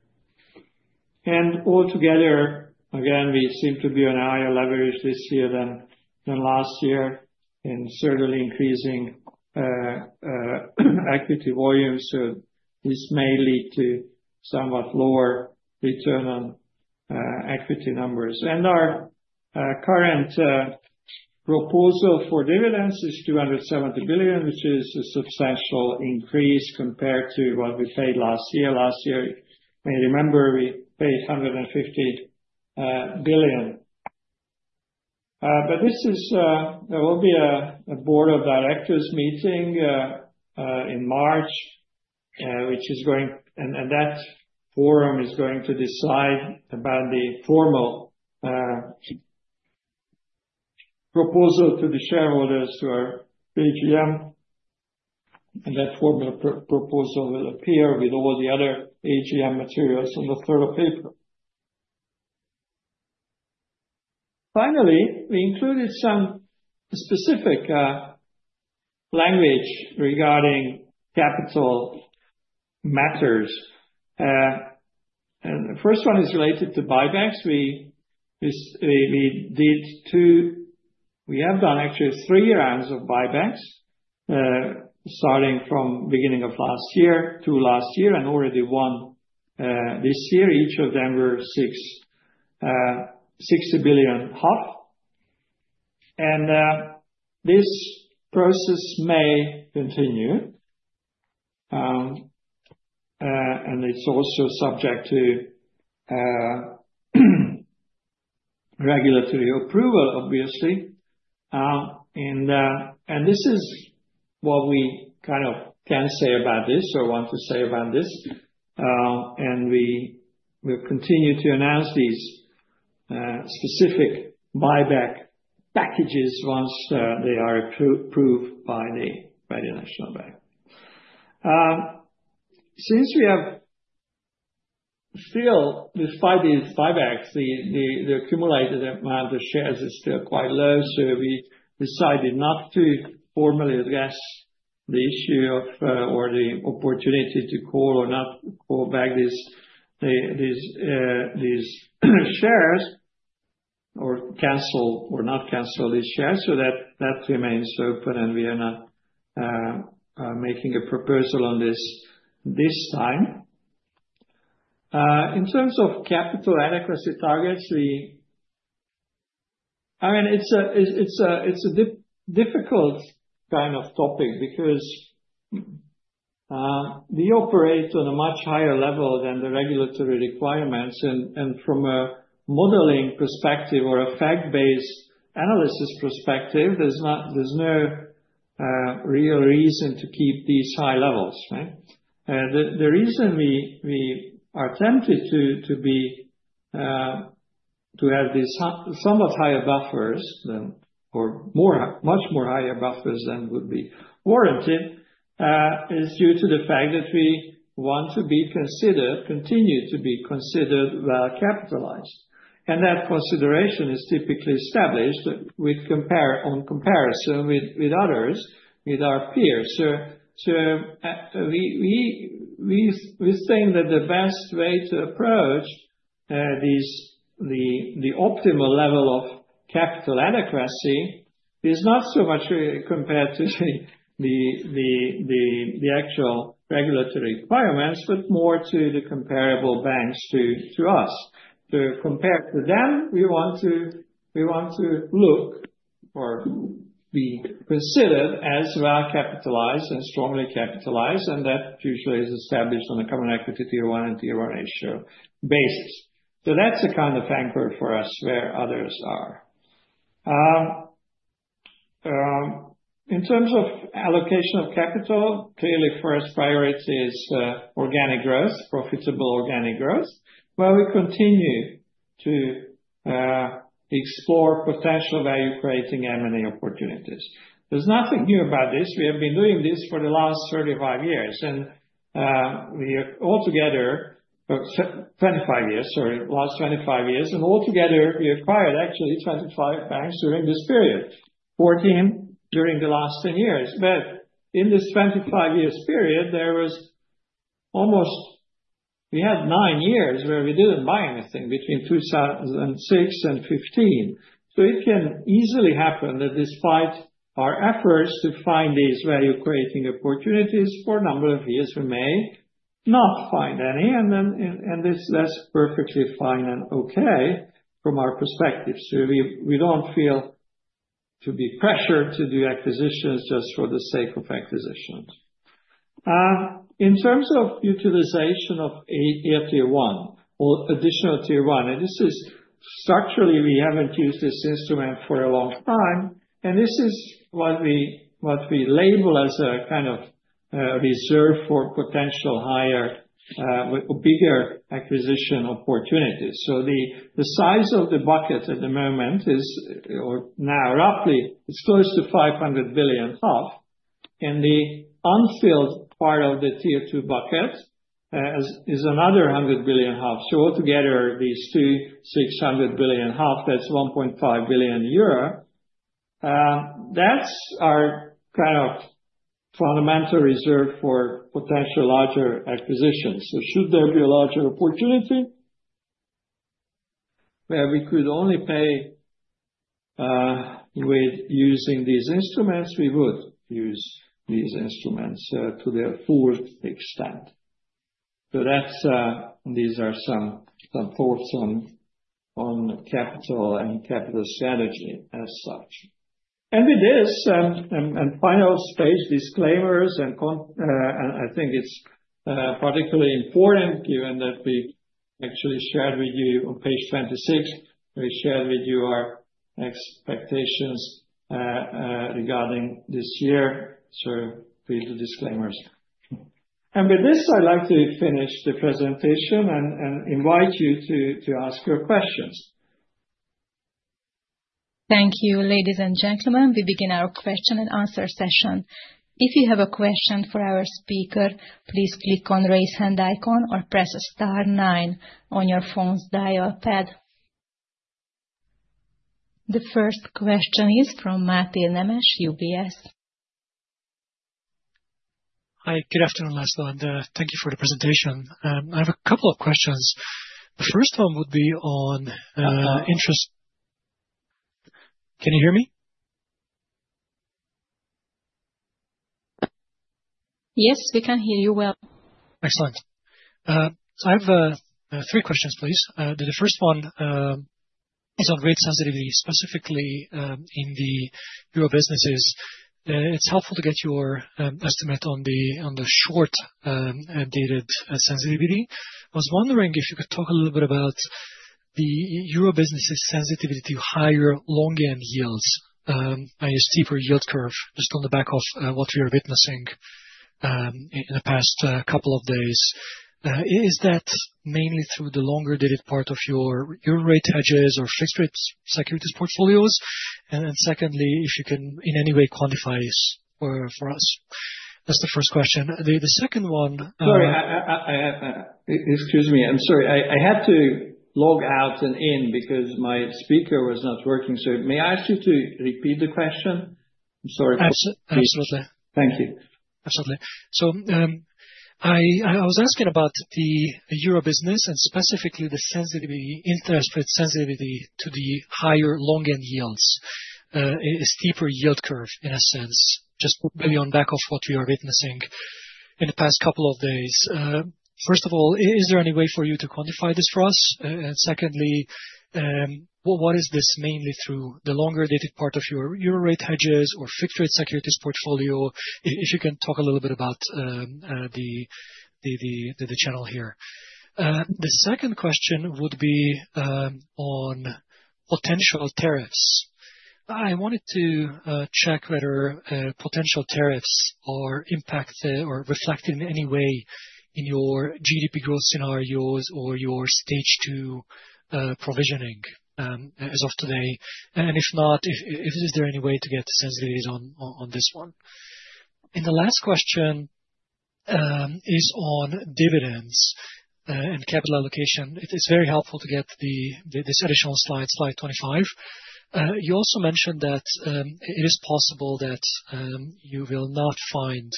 And altogether, again, we seem to be on a higher leverage this year than last year and certainly increasing equity volume. So this may lead to somewhat lower return on equity numbers. And our current proposal for dividends is 270 billion, which is a substantial increase compared to what we paid last year. Last year, may remember, we paid 150 billion. But there will be a board of directors meeting in March, which is going to, and that forum is going to decide about the formal proposal to the shareholders who are AGM. That formal proposal will appear with all the other AGM materials on the 3rd of April. Finally, we included some specific language regarding capital matters. The first one is related to buybacks. We did two, we have done actually three rounds of buybacks starting from beginning of last year to last year and already one this year. Each of them were 60 billion. This process may continue. It's also subject to regulatory approval, obviously. This is what we kind of can say about this or want to say about this. We will continue to announce these specific buyback packages once they are approved by the National Bank of Hungary. Since we have still, despite these buybacks, the accumulated amount of shares is still quite low. We decided not to formally address the issue of or the opportunity to call or not call back these shares or cancel or not cancel these shares. So that remains open. And we are not making a proposal on this this time. In terms of capital adequacy targets, I mean, it's a difficult kind of topic because we operate on a much higher level than the regulatory requirements. And from a modeling perspective or a fact-based analysis perspective, there's no real reason to keep these high levels, right? The reason we are tempted to have these somewhat higher buffers or much more higher buffers than would be warranted is due to the fact that we want to be considered, continue to be considered well capitalized. And that consideration is typically established on comparison with others, with our peers. We think that the best way to approach the optimal level of capital adequacy is not so much compared to the actual regulatory requirements, but more to the comparable banks to us. So compared to them, we want to look or be considered as well capitalized and strongly capitalized. And that usually is established on a Common Equity Tier 1 and Tier 1 ratio basis. So that's a kind of anchor for us where others are. In terms of allocation of capital, clearly first priority is organic growth, profitable organic growth, where we continue to explore potential value-creating M&A opportunities. There's nothing new about this. We have been doing this for the last 35 years. And we have altogether 25 years, sorry, last 25 years. And altogether, we acquired actually 25 banks during this period, 14 during the last 10 years. But in this 25-year period, there was almost we had nine years where we didn't buy anything between 2006 and 2015. So it can easily happen that despite our efforts to find these value-creating opportunities for a number of years, we may not find any. And that's perfectly fine and okay from our perspective. So we don't feel to be pressured to do acquisitions just for the sake of acquisitions. In terms of utilization of Additional Tier 1, this is structurally, we haven't used this instrument for a long time. And this is what we label as a kind of reserve for potential higher or bigger acquisition opportunities. So the size of the bucket at the moment is now roughly, it's close to 500 billion. And the unfilled part of the Tier 2 bucket is another 100 billion. So altogether, these 2,600 billion, that's 1.5 billion euro. That's our kind of fundamental reserve for potential larger acquisitions. So should there be a larger opportunity where we could only pay with using these instruments, we would use these instruments to the full extent. So these are some thoughts on capital and capital strategy as such. And with this, and final space, disclaimers, and I think it's particularly important given that we actually shared with you on page 26, we shared with you our expectations regarding this year. So with the disclaimers. And with this, I'd like to finish the presentation and invite you to ask your questions. Thank you, ladies and gentlemen. We begin our question and answer session. If you have a question for our speaker, please click on the raise hand icon or press star nine on your phone's dial pad. The first question is from Máté Nemes, UBS. Hi, good afternoon, László. And thank you for the presentation. I have a couple of questions. The first one would be on interest. Can you hear me? Yes, we can hear you well. Excellent. I have three questions, please. The first one is on rate sensitivity, specifically in the Euro businesses. It's helpful to get your estimate on the short-dated sensitivity. I was wondering if you could talk a little bit about the Euro businesses' sensitivity to higher long-end yields by a steeper yield curve just on the back of what we are witnessing in the past couple of days. Is that mainly through the longer-dated part of your rate hedges or fixed rate securities portfolios? And secondly, if you can in any way quantify this for us. That's the first question. The second one. Sorry, excuse me. I'm sorry. I had to log out and in because my speaker was not working. So may I ask you to repeat the question? I'm sorry. Absolutely. Thank you. Absolutely. So I was asking about the Euro business and specifically the interest rate sensitivity to the higher long-end yields, a steeper yield curve in a sense, just really on back of what we are witnessing in the past couple of days. First of all, is there any way for you to quantify this for us? And secondly, what is this mainly through the longer-dated part of your Euro rate hedges or fixed rate securities portfolio? If you can talk a little bit about the channel here. The second question would be on potential tariffs. I wanted to check whether potential tariffs are impacted or reflected in any way in your GDP growth scenarios or your Stage 2 provisioning as of today. And if not, is there any way to get the sensitivities on this one? And the last question is on dividends and capital allocation. It's very helpful to get this additional slide, slide 25. You also mentioned that it is possible that you will not find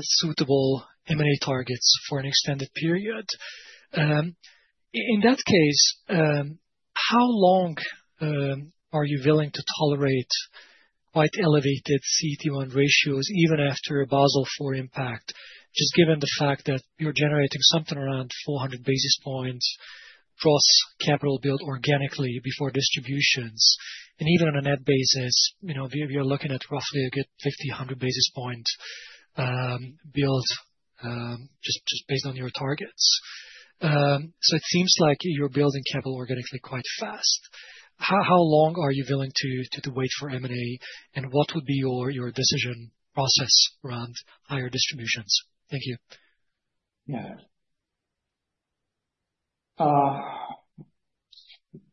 suitable M&A targets for an extended period. In that case, how long are you willing to tolerate quite elevated CET1 ratios even after a Basel IV impact, just given the fact that you're generating something around 400 basis points excess-capital build organically before distributions? And even on a net basis, you're looking at roughly a good 50-100 basis point build just based on your targets. So it seems like you're building capital organically quite fast. How long are you willing to wait for M&A? And what would be your decision process around higher distributions? Thank you. Yeah.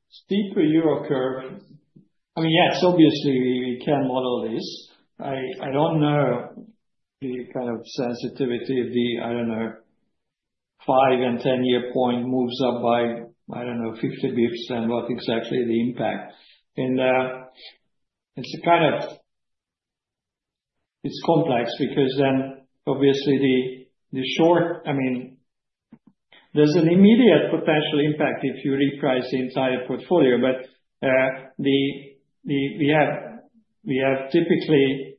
Steeper Euro curve. I mean, yes, obviously, we can model this. I don't know the kind of sensitivity of the, I don't know, 5- and 10-year point moves up by, I don't know, 50 basis points and what exactly the impact, and it's a kind of, it's complex because then obviously the short, I mean, there's an immediate potential impact if you reprice the entire portfolio, but we have typically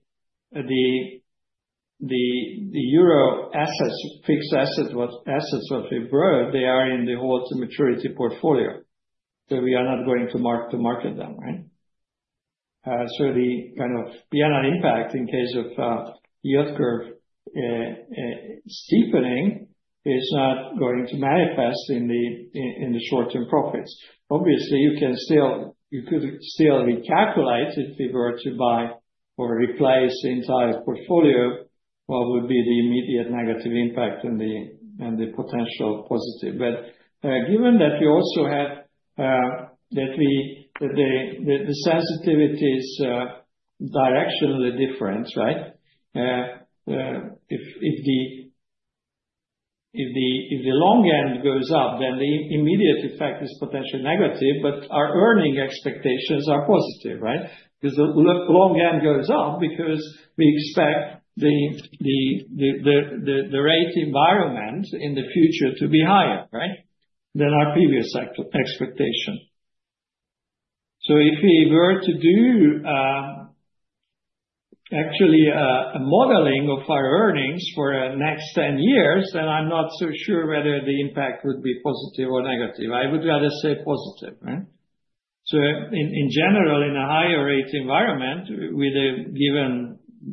the Euro assets, fixed assets, what we've borrowed, they are in the held-to-maturity portfolio. So we are not going to market them, right? So the kind of P&L impact in case of yield curve steepening is not going to manifest in the short-term profits. Obviously, you could still recalculate if you were to buy or replace the entire portfolio, what would be the immediate negative impact and the potential positive. But given that we also have that the sensitivity is directionally different, right? If the long end goes up, then the immediate effect is potentially negative, but our earning expectations are positive, right? Because the long end goes up because we expect the rate environment in the future to be higher, right? Than our previous expectation. So if we were to do actually a modeling of our earnings for the next 10 years, then I'm not so sure whether the impact would be positive or negative. I would rather say positive, right? So in general, in a higher rate environment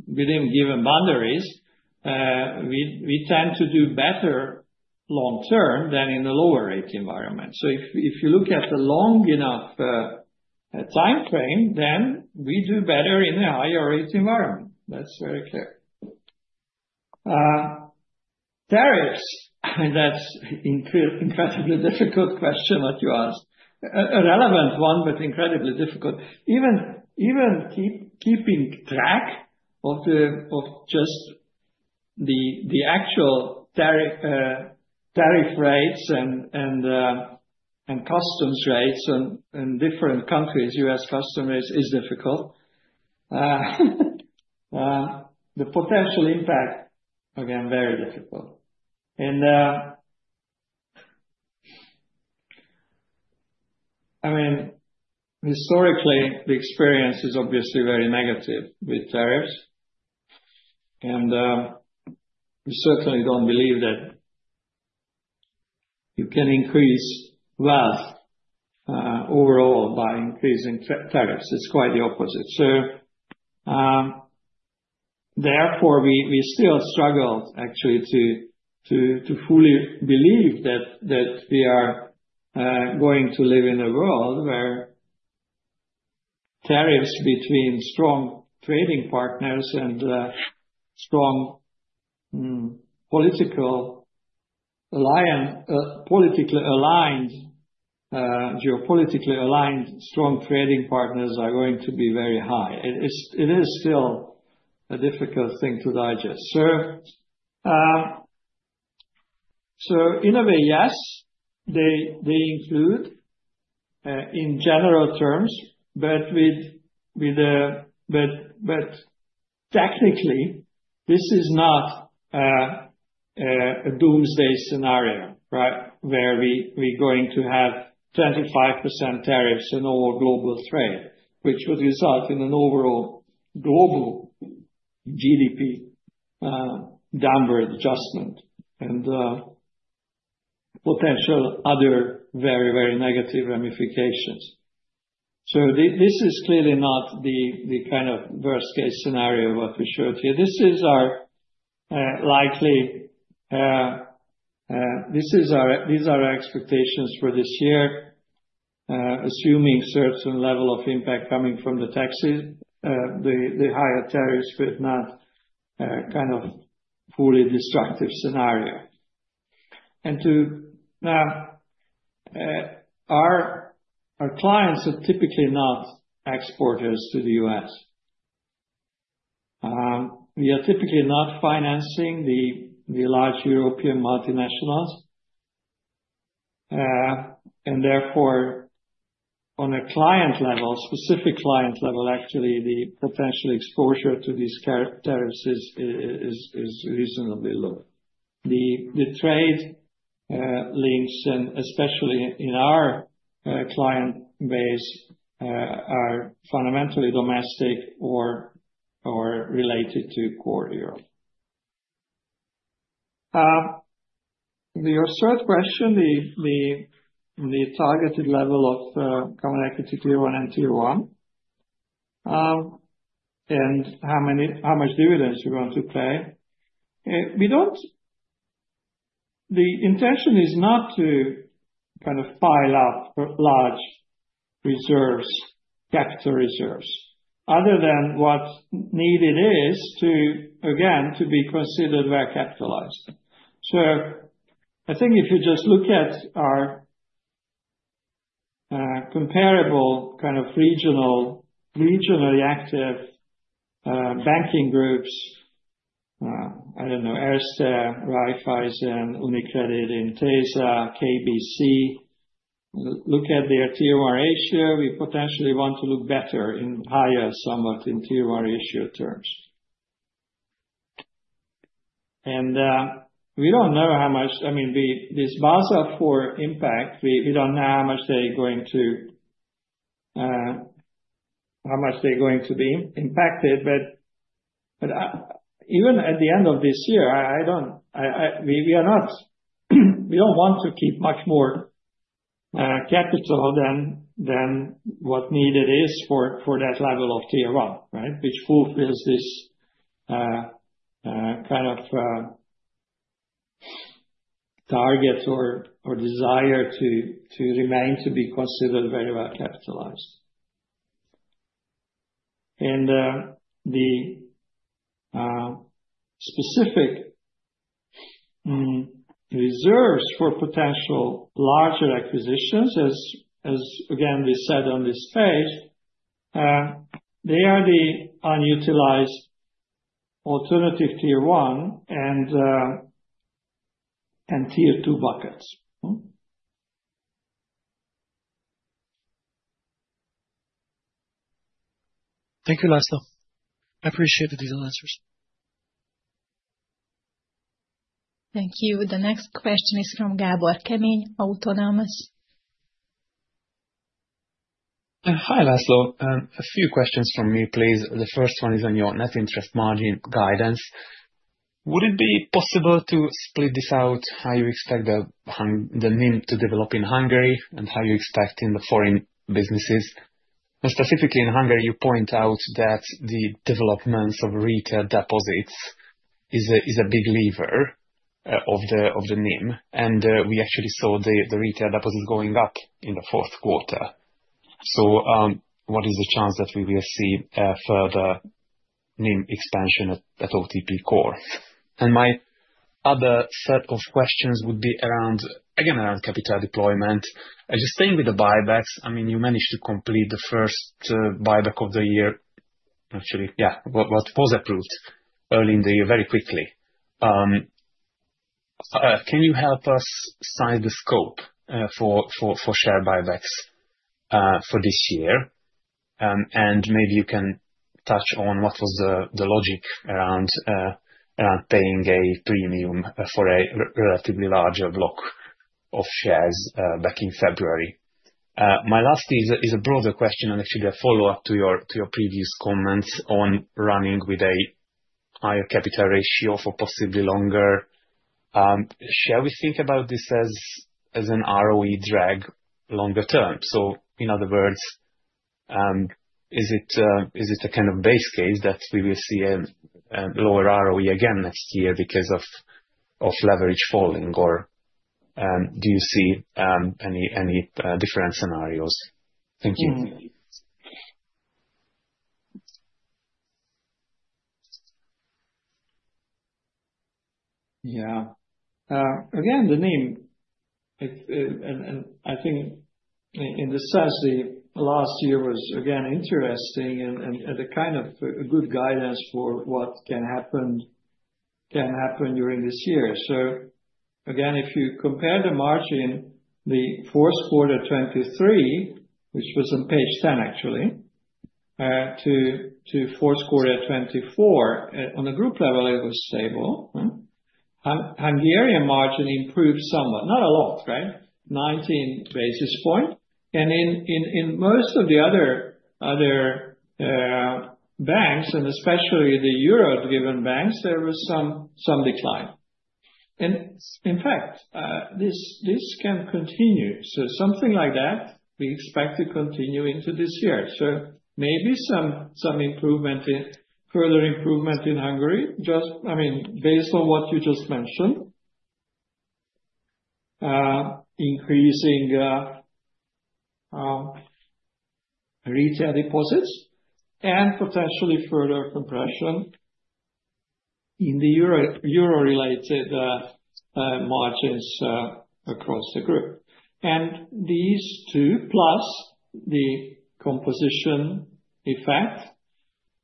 within given boundaries, we tend to do better long-term than in the lower rate environment. So if you look at the long enough time frame, then we do better in a higher rate environment. That's very clear. Tariffs, that's an incredibly difficult question that you asked. A relevant one, but incredibly difficult. Even keeping track of just the actual tariff rates and customs rates in different countries, U.S. customs rates, is difficult. The potential impact, again, very difficult. And I mean, historically, the experience is obviously very negative with tariffs. And we certainly don't believe that you can increase wealth overall by increasing tariffs. It's quite the opposite. So therefore, we still struggle actually to fully believe that we are going to live in a world where tariffs between strong trading partners and strong politically aligned, geopolitically aligned strong trading partners are going to be very high. It is still a difficult thing to digest. So in a way, yes, they include in general terms, but technically, this is not a doomsday scenario, right, where we're going to have 25% tariffs on all global trade, which would result in an overall global GDP downward adjustment and potential other very, very negative ramifications. So this is clearly not the kind of worst-case scenario of what we showed here. This is our likely; these are our expectations for this year, assuming certain level of impact coming from the higher tariffs with not kind of fully destructive scenario. And now, our clients are typically not exporters to the U.S. We are typically not financing the large European multinationals. And therefore, on a client level, specific client level, actually, the potential exposure to these tariffs is reasonably low. The trade links, and especially in our client base, are fundamentally domestic or related to core Europe. Your third question, the targeted level of Common Equity Tier 1 and Tier 1, and how much dividends we're going to pay. The intention is not to kind of pile up large reserves, capital reserves, other than what needed is to, again, to be considered well capitalized. So I think if you just look at our comparable kind of regionally active banking groups, I don't know, Erste, Raiffeisen, UniCredit, Intesa, KBC, look at their Tier 1 ratio, we potentially want to look better in higher somewhat in Tier 1 ratio terms. We don't know how much, I mean, this Basel IV impact, we don't know how much they're going to be impacted. But even at the end of this year, we don't want to keep much more capital than what needed is for that level of Tier 1, right, which fulfills this kind of target or desire to remain to be considered very well capitalized. And the specific reserves for potential larger acquisitions, as again, we said on this page, they are the unutilized alternative Tier 1 and Tier 2 buckets. Thank you, László. I appreciate the detailed answers. Thank you. The next question is from Gábor Kemény, Autonomous. Hi, László. A few questions from me, please. The first one is on your net interest margin guidance. Would it be possible to split this out, how you expect the NIM to develop in Hungary, and how you expect in the foreign businesses? And specifically in Hungary, you point out that the developments of retail deposits is a big lever of the NIM. We actually saw the retail deposits going up in the fourth quarter. So what is the chance that we will see further NIM expansion at OTP Core? And my other set of questions would be around, again, around capital deployment. Just staying with the buybacks, I mean, you managed to complete the first buyback of the year, actually, yeah, what was approved early in the year very quickly. Can you help us size the scope for share buybacks for this year? And maybe you can touch on what was the logic around paying a premium for a relatively larger block of shares back in February. My last is a broader question and actually a follow-up to your previous comments on running with a higher capital ratio for possibly longer. Shall we think about this as an ROE drag longer term? So in other words, is it a kind of base case that we will see a lower ROE again next year because of leverage falling, or do you see any different scenarios? Thank you. Yeah. Again, the NIM, and I think in the sense, the last year was again interesting and a kind of good guidance for what can happen during this year. So again, if you compare the margin, the fourth quarter 2023, which was on page 10 actually, to fourth quarter 2024, on the group level, it was stable. Hungarian margin improved somewhat. Not a lot, right? 19 basis points. And in most of the other banks, and especially the euro-driven banks, there was some decline. And in fact, this can continue. So something like that, we expect to continue into this year. So maybe some further improvement in Hungary, just I mean, based on what you just mentioned, increasing retail deposits and potentially further compression in the euro-related margins across the group. And these two, plus the composition effect,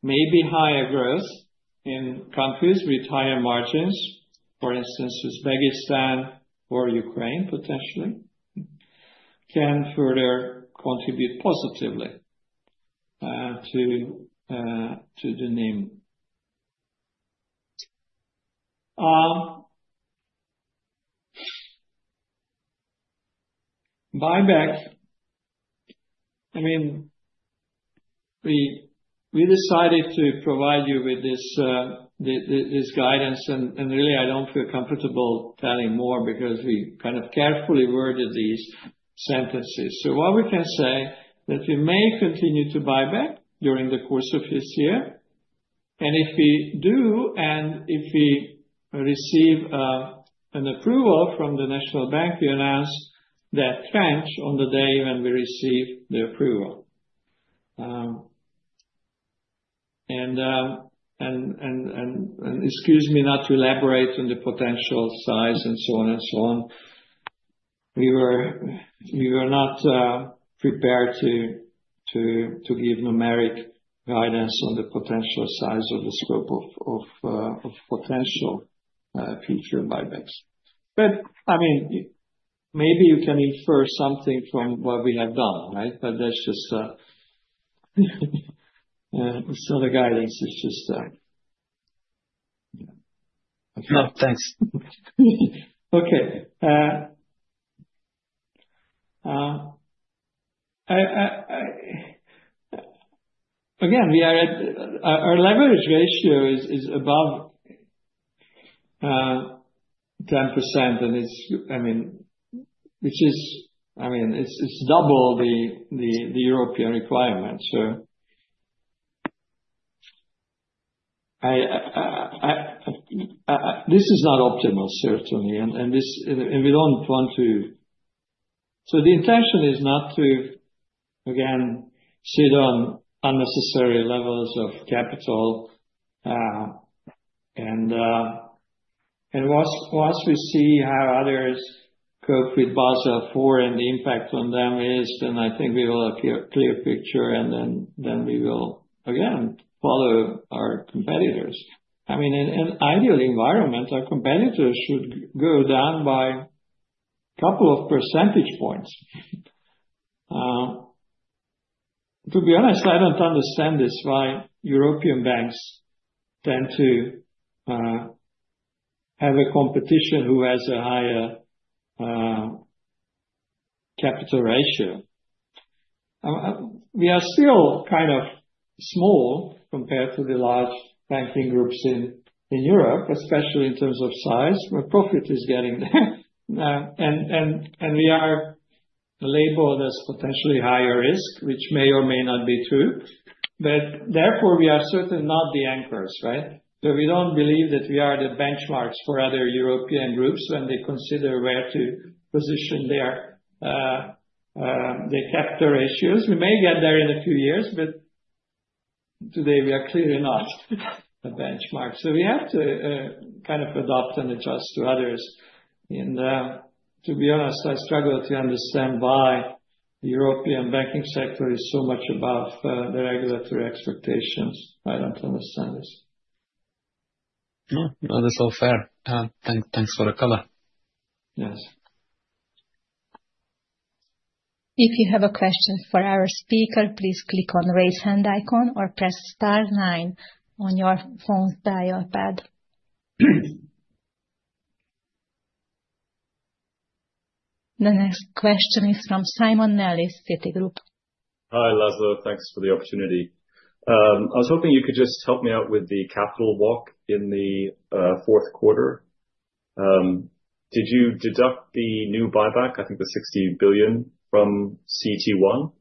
maybe higher growth in countries with higher margins, for instance, Uzbekistan or Ukraine, potentially, can further contribute positively to the NIM. Buyback, I mean, we decided to provide you with this guidance, and really, I don't feel comfortable telling more because we kind of carefully worded these sentences. So what we can say is that we may continue to buy back during the course of this year. And if we do, and if we receive an approval from the National Bank, we announce that tranche on the day when we receive the approval. And excuse me not to elaborate on the potential size and so on and so on. We were not prepared to give numeric guidance on the potential size of the scope of potential future buybacks, but I mean, maybe you can infer something from what we have done, right? But that's just a sort of guidance. It's just a yeah. No, thanks. Okay. Again, our leverage ratio is above 10%, and it's, I mean, double the European requirements, so this is not optimal, certainly, and we don't want to, so the intention is not to, again, sit on unnecessary levels of capital, and once we see how others cope with Basel IV and the impact on them is, then I think we will have a clear picture, and then we will, again, follow our competitors. I mean, in an ideal environment, our competitors should go down by a couple of percentage points. To be honest, I don't understand this why European banks tend to have a competition who has a higher capital ratio. We are still kind of small compared to the large banking groups in Europe, especially in terms of size, where profit is getting there, and we are labeled as potentially higher risk, which may or may not be true, but therefore, we are certainly not the anchors, right? So we don't believe that we are the benchmarks for other European groups when they consider where to position their capital ratios. We may get there in a few years, but today, we are clearly not a benchmark, so we have to kind of adopt and adjust to others, and to be honest, I struggle to understand why the European banking sector is so much above the regulatory expectations. I don't understand this. No, that's all fair. Thanks for the color. Yes. If you have a question for our speaker, please click on the raise hand icon or press star nine on your phone's dial pad. The next question is from Simon Nellis, Citigroup. Hi, László. Thanks for the opportunity. I was hoping you could just help me out with the capital walk in the fourth quarter. Did you deduct the new buyback, I think the 60 billion, from CET1?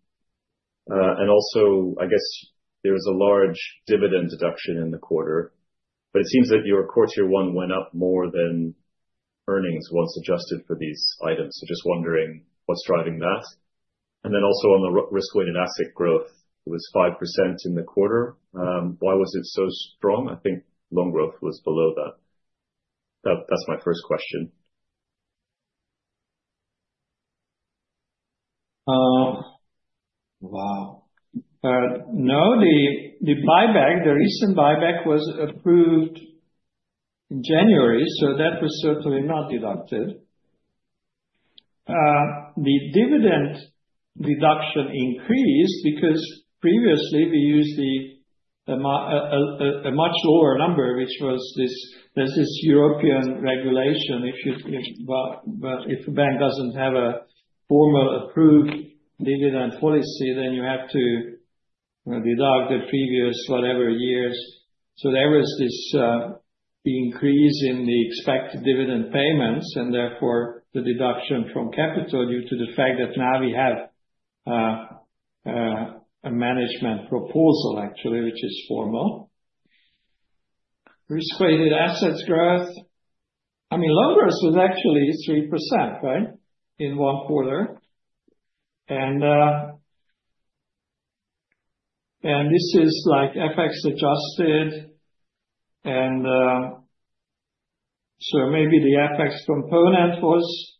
And also, I guess there was a large dividend deduction in the quarter. But it seems that your quarter one went up more than earnings once adjusted for these items. So just wondering what's driving that. And then also on the risk-weighted asset growth, it was 5% in the quarter. Why was it so strong? I think loan growth was below that. That's my first question. Wow. No, the buyback, the recent buyback was approved in January, so that was certainly not deducted. The dividend deduction increased because previously, we used a much lower number, which was this European regulation. If a bank doesn't have a formal approved dividend policy, then you have to deduct the previous whatever years. So there was the increase in the expected dividend payments, and therefore, the deduction from capital due to the fact that now we have a management proposal, actually, which is formal. Risk-weighted assets growth, I mean, loan growth was actually 3%, right, in one quarter. And this is like FX adjusted. And so maybe the FX component was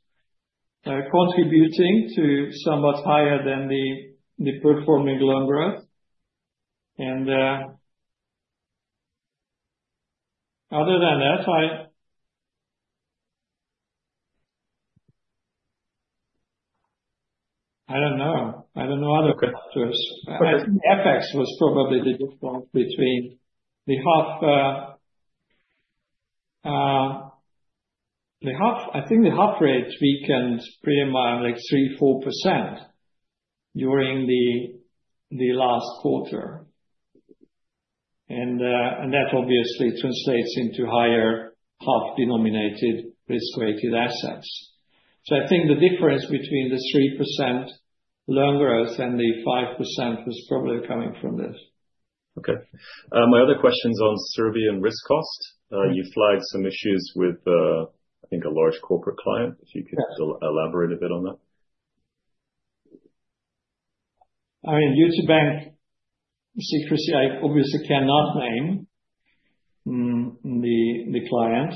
contributing to somewhat higher than the performing loan growth. And other than that, I don't know. I don't know other factors. FX was probably the difference between the HUF. I think the HUF rate weakened pretty much like 3-4% during the last quarter. And that obviously translates into higher HUF-denominated risk-weighted assets. So I think the difference between the 3% loan growth and the 5% was probably coming from this. Okay. My other question is on Serbian risk cost. You flagged some issues with, I think, a large corporate client. If you could elaborate a bit on that. I mean, due to bank secrecy, I obviously cannot name the client.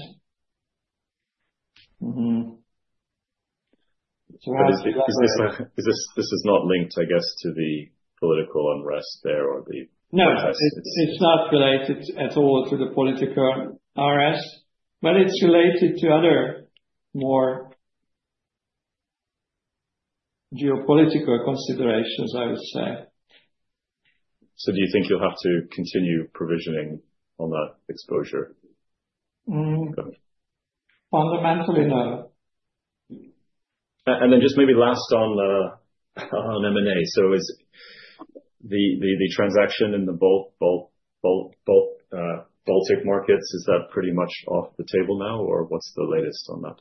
So this is not linked, I guess, to the political unrest there or the protests. No, it's not related at all to the political risks, but it's related to other more geopolitical considerations, I would say. So do you think you'll have to continue provisioning on that exposure? Fundamentally, no. And then just maybe last on M&A. So the transaction in the Baltic markets, is that pretty much off the table now, or what's the latest on that?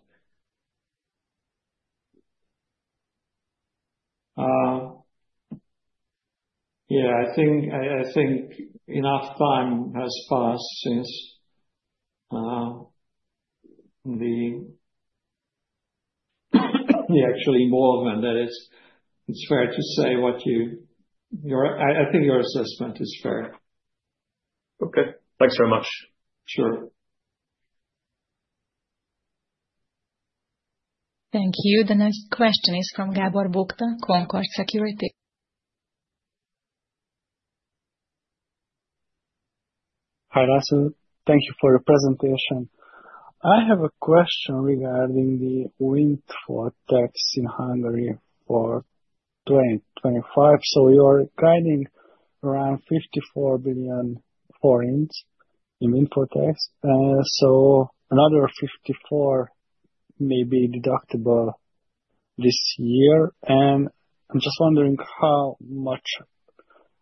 Yeah, I think enough time has passed since the actually more than that. It's fair to say. I think your assessment is fair. Okay. Thanks very much. Sure. Thank you. The next question is from Gábor Bukta, Concorde Securities. Hi, László. Thank you for the presentation. I have a question regarding the windfall tax in Hungary for 2025. So you're guiding around 54 billion in windfall tax. So another 54 billion may be deductible this year. And I'm just wondering how much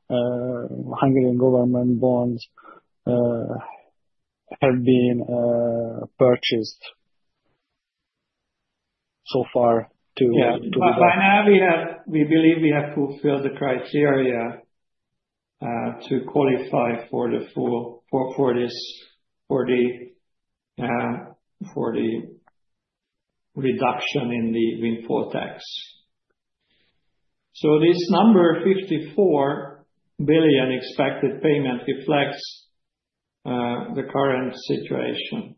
Hungarian government bonds have been purchased so far to. Yeah, by now, we believe we have fulfilled the criteria to qualify for this for the reduction in the windfall tax. So this number, 54 billion expected payment, reflects the current situation.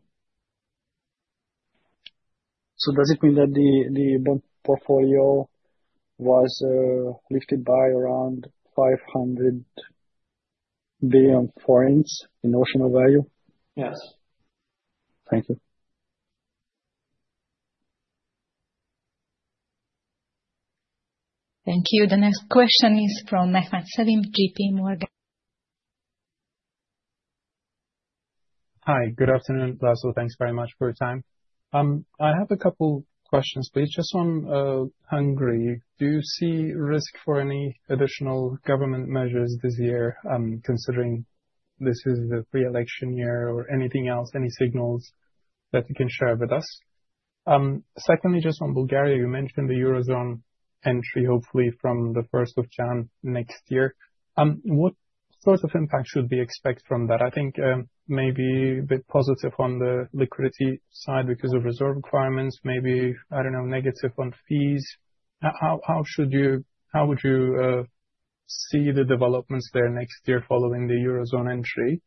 So does it mean that the bond portfolio was lifted by around 500 billion forints in notional value? Yes. Thank you. Thank you. The next question is from Mehmet Sevim, J.P. Morgan. Hi, good afternoon, László. Thanks very much for your time. I have a couple of questions, but it's just on Hungary. Do you see risk for any additional government measures this year, considering this is the re-election year or anything else, any signals that you can share with us? Secondly, just on Bulgaria, you mentioned the Eurozone entry, hopefully from the 1st of January next year. What sort of impact should we expect from that? I think maybe a bit positive on the liquidity side because of reserve requirements, maybe, I don't know, negative on fees. How would you see the developments there next year following the Eurozone entry?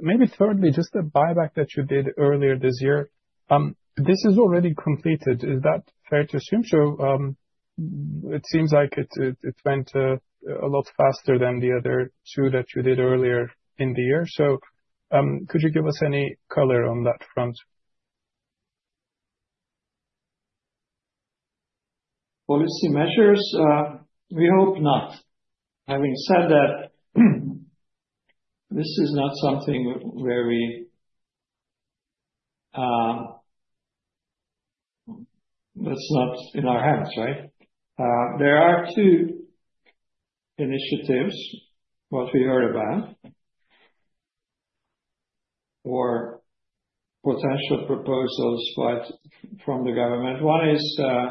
Maybe thirdly, just the buyback that you did earlier this year. This is already completed. Is that fair to assume? So it seems like it went a lot faster than the other two that you did earlier in the year. So could you give us any color on that front? Policy measures? We hope not. Having said that, this is not something where that's not in our hands, right? There are two initiatives, what we heard about, or potential proposals from the government. One is that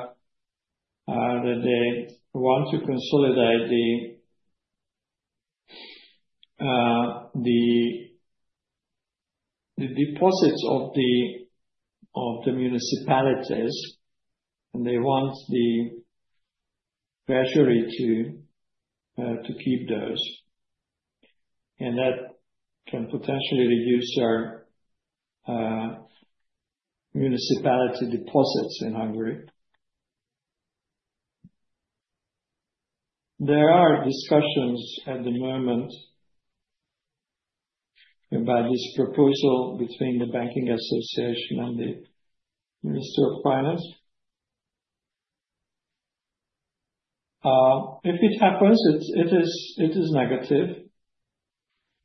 they want to consolidate the deposits of the municipalities, and they want the Treasury to keep those. And that can potentially reduce our municipality deposits in Hungary. There are discussions at the moment about this proposal between the Banking Association and the Ministry of Finance. If it happens, it is negative.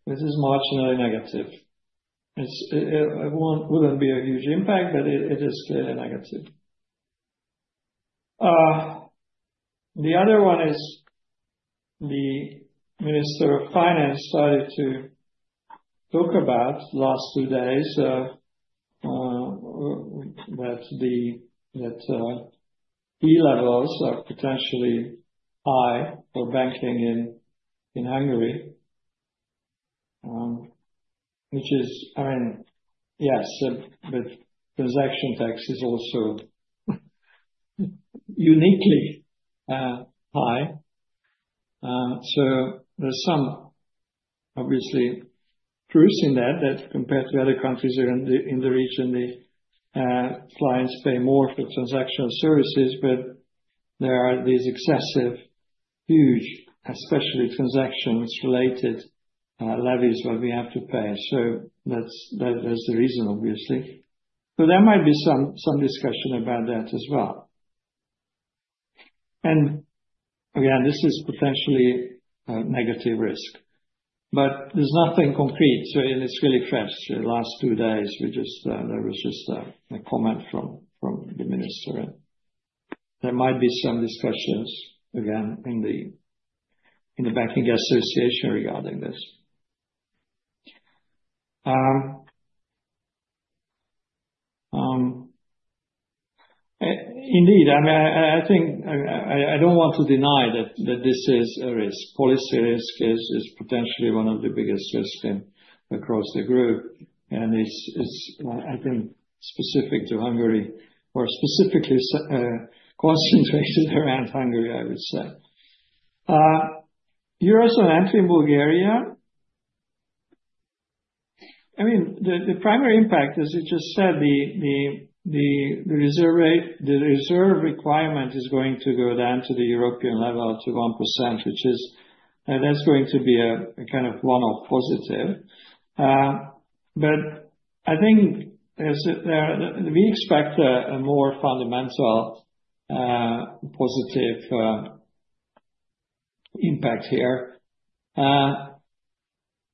It is marginally negative. It wouldn't be a huge impact, but it is clearly negative. The other one is the Ministry of Finance started to talk about last two days that the fee levels are potentially high for banking in Hungary, which is, I mean, yes, but transaction tax is also uniquely high. So there's some obviously truth in that that compared to other countries in the region, the clients pay more for transactional services, but there are these excessive, huge, especially transactions-related levies that we have to pay. So that's the reason, obviously. So there might be some discussion about that as well. And again, this is potentially a negative risk, but there's nothing concrete. So it's really fresh. The last two days, there was just a comment from the minister. There might be some discussions, again, in the Banking Association regarding this. Indeed, I mean, I don't want to deny that this is a risk. Policy risk is potentially one of the biggest risks across the group. And it's, I think, specific to Hungary or specifically concentrated around Hungary, I would say. Eurozone entry in Bulgaria. I mean, the primary impact, as you just said, the reserve requirement is going to go down to the European level to 1%, which is that's going to be a kind of one-off positive. But I think we expect a more fundamental positive impact here.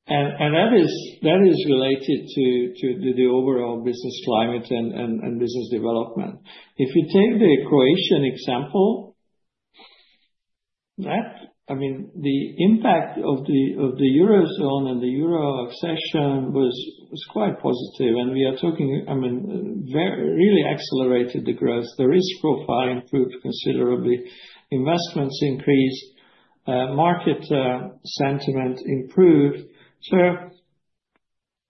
And that is related to the overall business climate and business development. If you take the Croatian example, I mean, the impact of the Eurozone and the Euro accession was quite positive. And we are talking, I mean, really accelerated the growth. The risk profile improved considerably. Investments increased. Market sentiment improved. So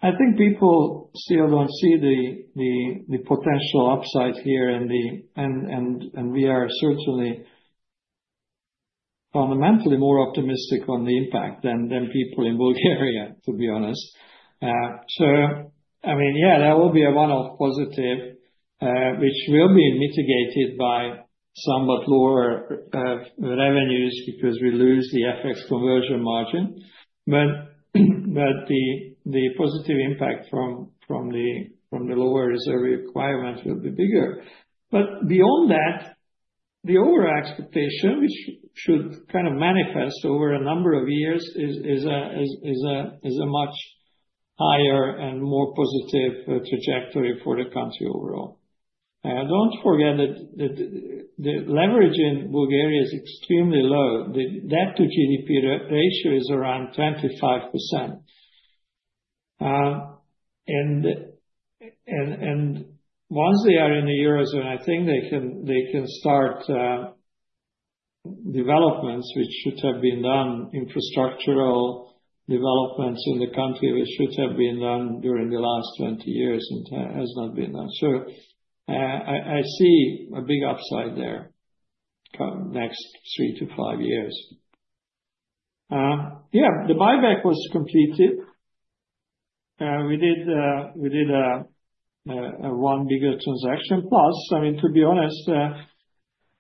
I think people still don't see the potential upside here. And we are certainly fundamentally more optimistic on the impact than people in Bulgaria, to be honest. So I mean, yeah, that will be a one-off positive, which will be mitigated by somewhat lower revenues because we lose the FX conversion margin. But the positive impact from the lower reserve requirement will be bigger. But beyond that, the overall expectation, which should kind of manifest over a number of years, is a much higher and more positive trajectory for the country overall. Don't forget that the leverage in Bulgaria is extremely low. Debt-to-GDP ratio is around 25%. And once they are in the Eurozone, I think they can start developments, which should have been done, infrastructural developments in the country, which should have been done during the last 20 years and has not been done. So, I see a big upside there next three to five years. Yeah, the buyback was completed. We did one bigger transaction. Plus, I mean, to be honest,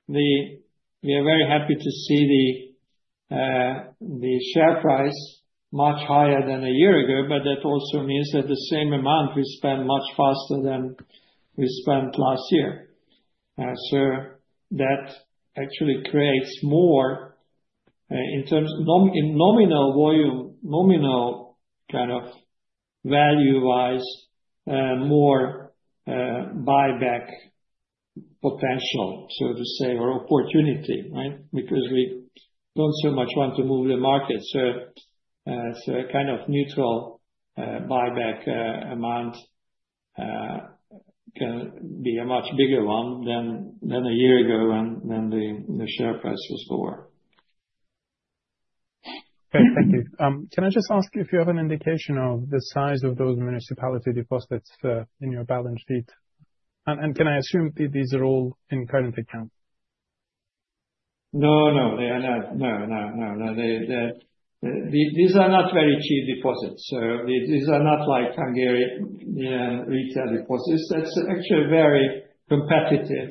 we are very happy to see the share price much higher than a year ago, but that also means that the same amount we spent much faster than we spent last year. So that actually creates more in nominal volume, nominal kind of value-wise, more buyback potential, so to say, or opportunity, right? Because we don't so much want to move the market. So a kind of neutral buyback amount can be a much bigger one than a year ago when the share price was lower. Okay, thank you. Can I just ask if you have an indication of the size of those municipality deposits in your balance sheet? And can I assume these are all in current account? No, no. No, no, no, no. These are not very cheap deposits. So these are not like Hungarian retail deposits. That's actually a very competitive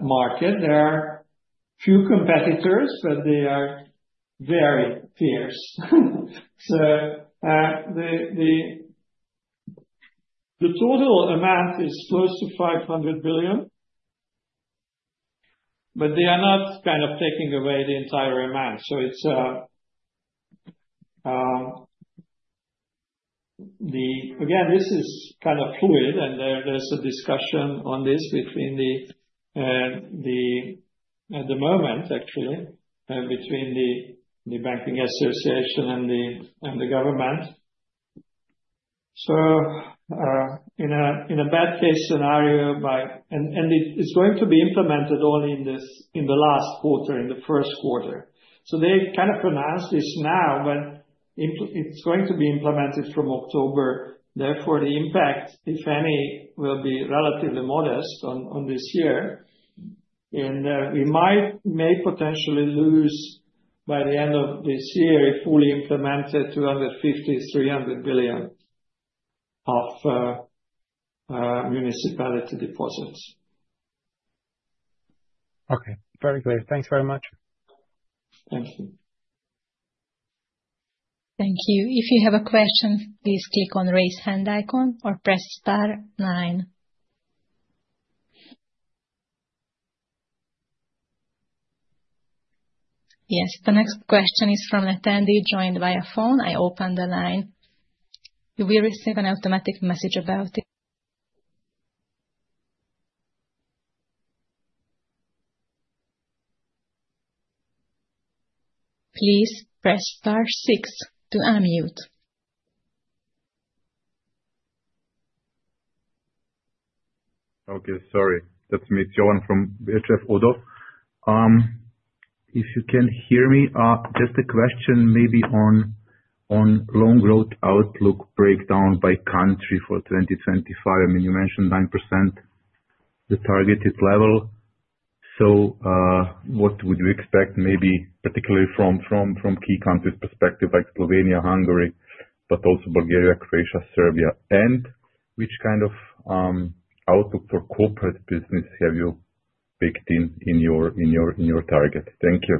market. There are few competitors, but they are very fierce. So the total amount is close to 500 billion, but they are not kind of taking away the entire amount. So again, this is kind of fluid, and there's a discussion on this at the moment, actually, between the Banking Association and the government. So in a bad case scenario, and it's going to be implemented only in the last quarter, in the first quarter. So they kind of announced this now, but it's going to be implemented from October. Therefore, the impact, if any, will be relatively modest on this year. And we may potentially lose by the end of this year, if fully implemented, 250-300 billion of municipality deposits. Okay. Very clear. Thanks very much. Thank you. Thank you. If you have a question, please click on the raise hand icon or press star nine. Yes. The next question is from an attendee joined via phone. I open the line. You will receive an automatic message about it. Please press star six to unmute. Okay. Sorry. That's me, Johan from ODDO BHF. If you can hear me, just a question maybe on long-term outlook breakdown by country for 2025. I mean, you mentioned 9%, the targeted level. So what would you expect, maybe particularly from key countries' perspective, like Slovenia, Hungary, but also Bulgaria, Croatia, Serbia? And which kind of outlook for corporate business have you picked in your target? Thank you.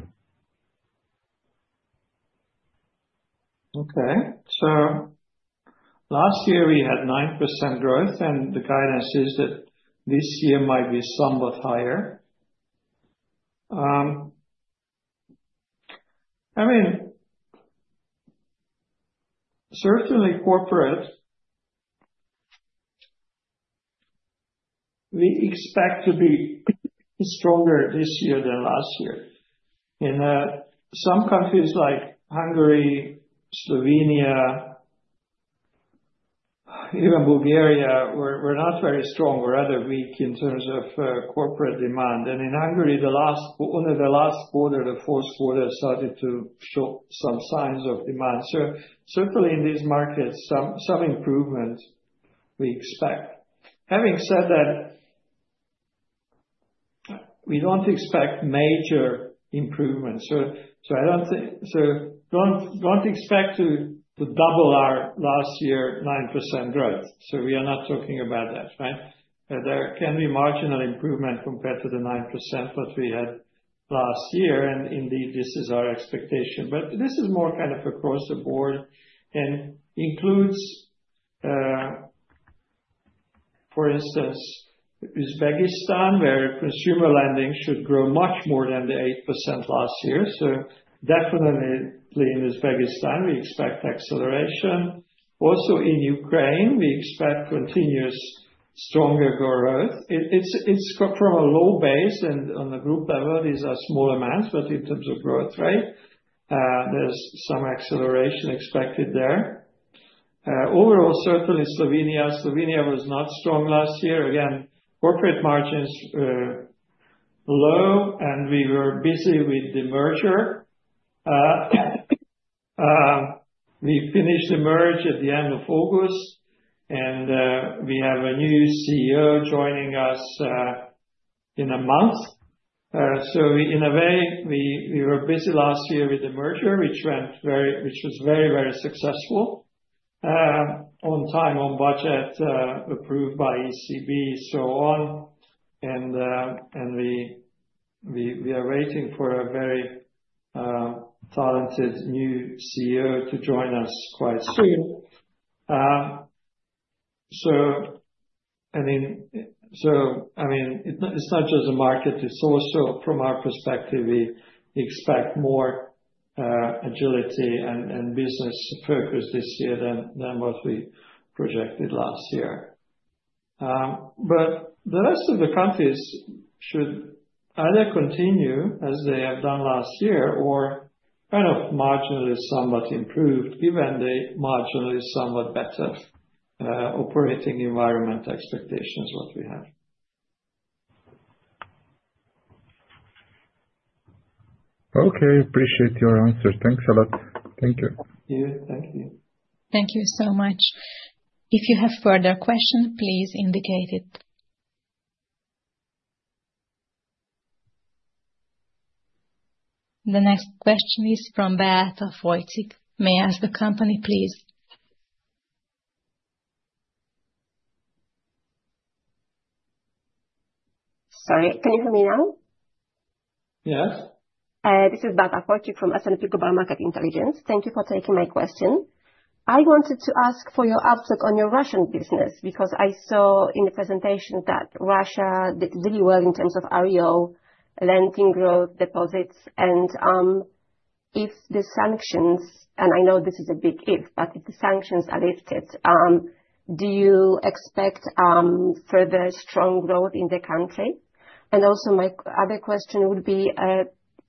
Okay. So last year, we had 9% growth, and the guidance is that this year might be somewhat higher. I mean, certainly corporate, we expect to be stronger this year than last year, and some countries like Hungary, Slovenia, even Bulgaria, were not very strong or rather weak in terms of corporate demand, and in Hungary, in the last quarter, the fourth quarter, started to show some signs of demand, so certainly in these markets, some improvement we expect. Having said that, we don't expect major improvements, so I don't think so, don't expect to double our last year 9% growth, so we are not talking about that, right? There can be marginal improvement compared to the 9% that we had last year, and indeed, this is our expectation, but this is more kind of across the board and includes, for instance, Uzbekistan, where consumer lending should grow much more than the 8% last year, so definitely in Uzbekistan, we expect acceleration. Also in Ukraine, we expect continuous stronger growth. It's from a low base and on the group level, these are small amounts, but in terms of growth rate, there's some acceleration expected there. Overall, certainly Slovenia. Slovenia was not strong last year. Again, corporate margins low, and we were busy with the merger. We finished the merger at the end of August, and we have a new CEO joining us in a month. So in a way, we were busy last year with the merger, which was very, very successful on time, on budget, approved by ECB, so on. And we are waiting for a very talented new CEO to join us quite soon. So I mean, it's not just a market. It's also from our perspective, we expect more agility and business focus this year than what we projected last year. But the rest of the countries should either continue as they have done last year or kind of marginally somewhat improved, given the marginally somewhat better operating environment expectations that we have. Okay. Appreciate your answer. Thanks a lot. Thank you. Thank you. Thank you so much. If you have further questions, please indicate it. The next question is from Beata Fojcik. May I ask the company, please? Sorry. Can you hear me now? Yes. This is Beata Fojcik from S&P Global Market Intelligence. Thank you for taking my question. I wanted to ask for your update on your Russian business because I saw in the presentation that Russia did really well in terms of ROE, lending growth, deposits. And if the sanctions - and I know this is a big if - but if the sanctions are lifted, do you expect further strong growth in the country? Also, my other question would be,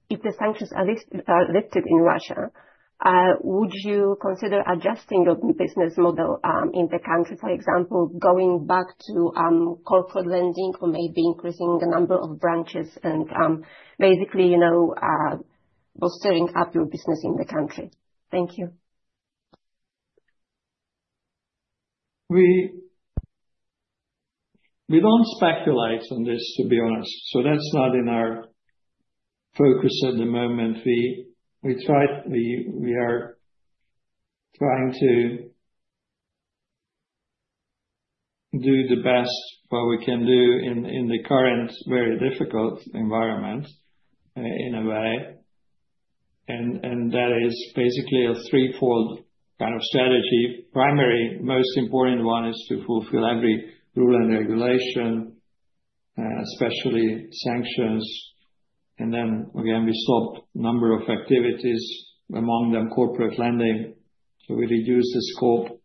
if the sanctions are lifted in Russia, would you consider adjusting your business model in the country, for example, going back to corporate lending or maybe increasing the number of branches and basically bolstering up your business in thecountry? Thank you. We don't speculate on this, to be honest. That's not in our focus at the moment. We are trying to do the best what we can do in the current very difficult environment in a way. That is basically a threefold kind of strategy. Primary, most important one is to fulfill every rule and regulation, especially sanctions. Then, again, we stop a number of activities, among them corporate lending. So we reduce the scope.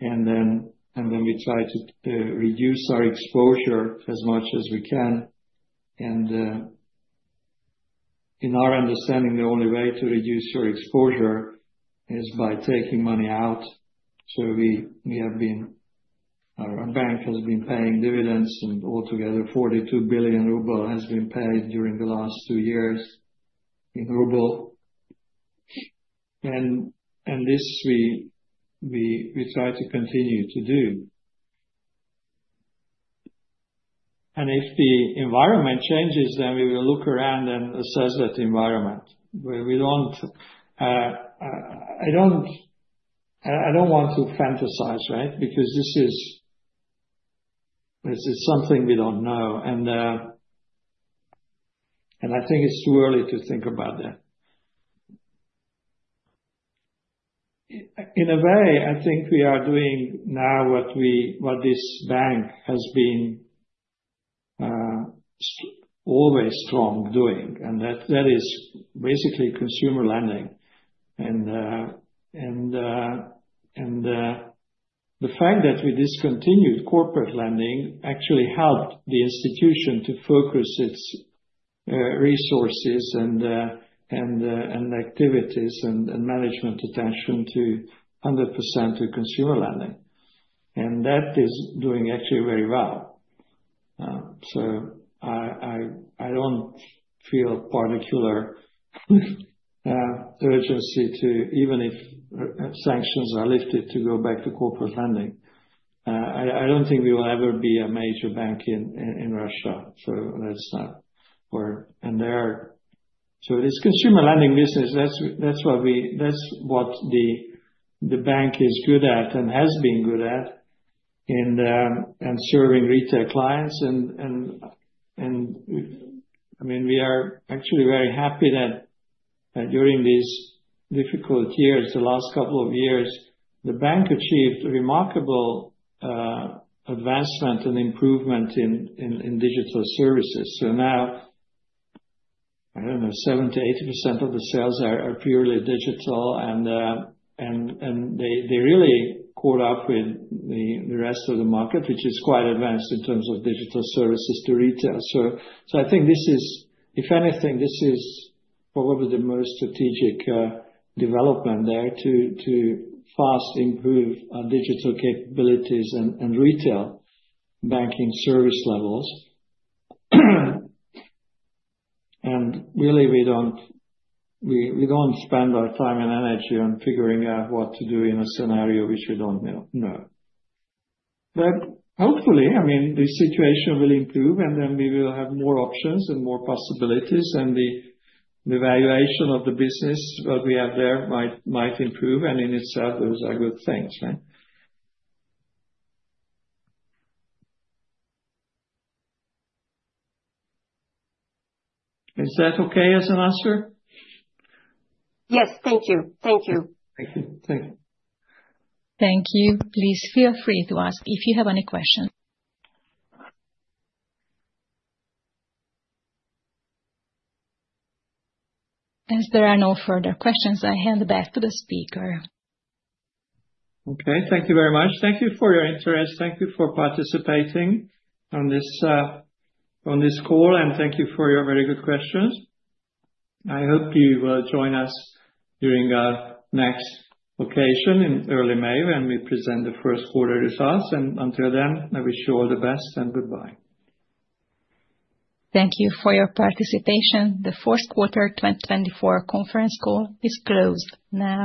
Then we try to reduce our exposure as much as we can. In our understanding, the only way to reduce your exposure is by taking money out. Our bank has been paying dividends, and altogether, 42 billion ruble has been paid during the last two years in RUB. This we try to continue to do. If the environment changes, then we will look around and assess that environment. I don't want to fantasize, right? Because this is something we don't know. I think it's too early to think about that. In a way, I think we are doing now what this bank has been always strong doing. That is basically consumer lending. The fact that we discontinued corporate lending actually helped the institution to focus its resources and activities and management attention to 100% to consumer lending. That is doing actually very well. I don't feel particular urgency to, even if sanctions are lifted, to go back to corporate lending. I don't think we will ever be a major bank in Russia. That's not—and there are—so it is consumer lending business. That's what the bank is good at and has been good at and serving retail clients. And I mean, we are actually very happy that during these difficult years, the last couple of years, the bank achieved remarkable advancement and improvement in digital services. Now, I don't know, 70%-80% of the sales are purely digital. And they really caught up with the rest of the market, which is quite advanced in terms of digital services to retail. I think this is, if anything, this is probably the most strategic development there to fast improve digital capabilities and retail banking service levels. And really, we don't spend our time and energy on figuring out what to do in a scenario which we don't know. But hopefully, I mean, the situation will improve, and then we will have more options and more possibilities. And the valuation of the business that we have there might improve. And in itself, those are good things, right? Is that okay as an answer? Yes. Thank you. Thank you. Thank you. Thank you. Thank you. Please feel free to ask if you have any questions. As there are no further questions, I hand back to the speaker. Okay. Thank you very much. Thank you for your interest. Thank you for participating on this call. And thank you for your very good questions. I hope you will join us during our next occasion in early May when we present the first quarter results. And until then, I wish you all the best and goodbye. Thank you for your participation. The fourth quarter 2024 conference call is closed now.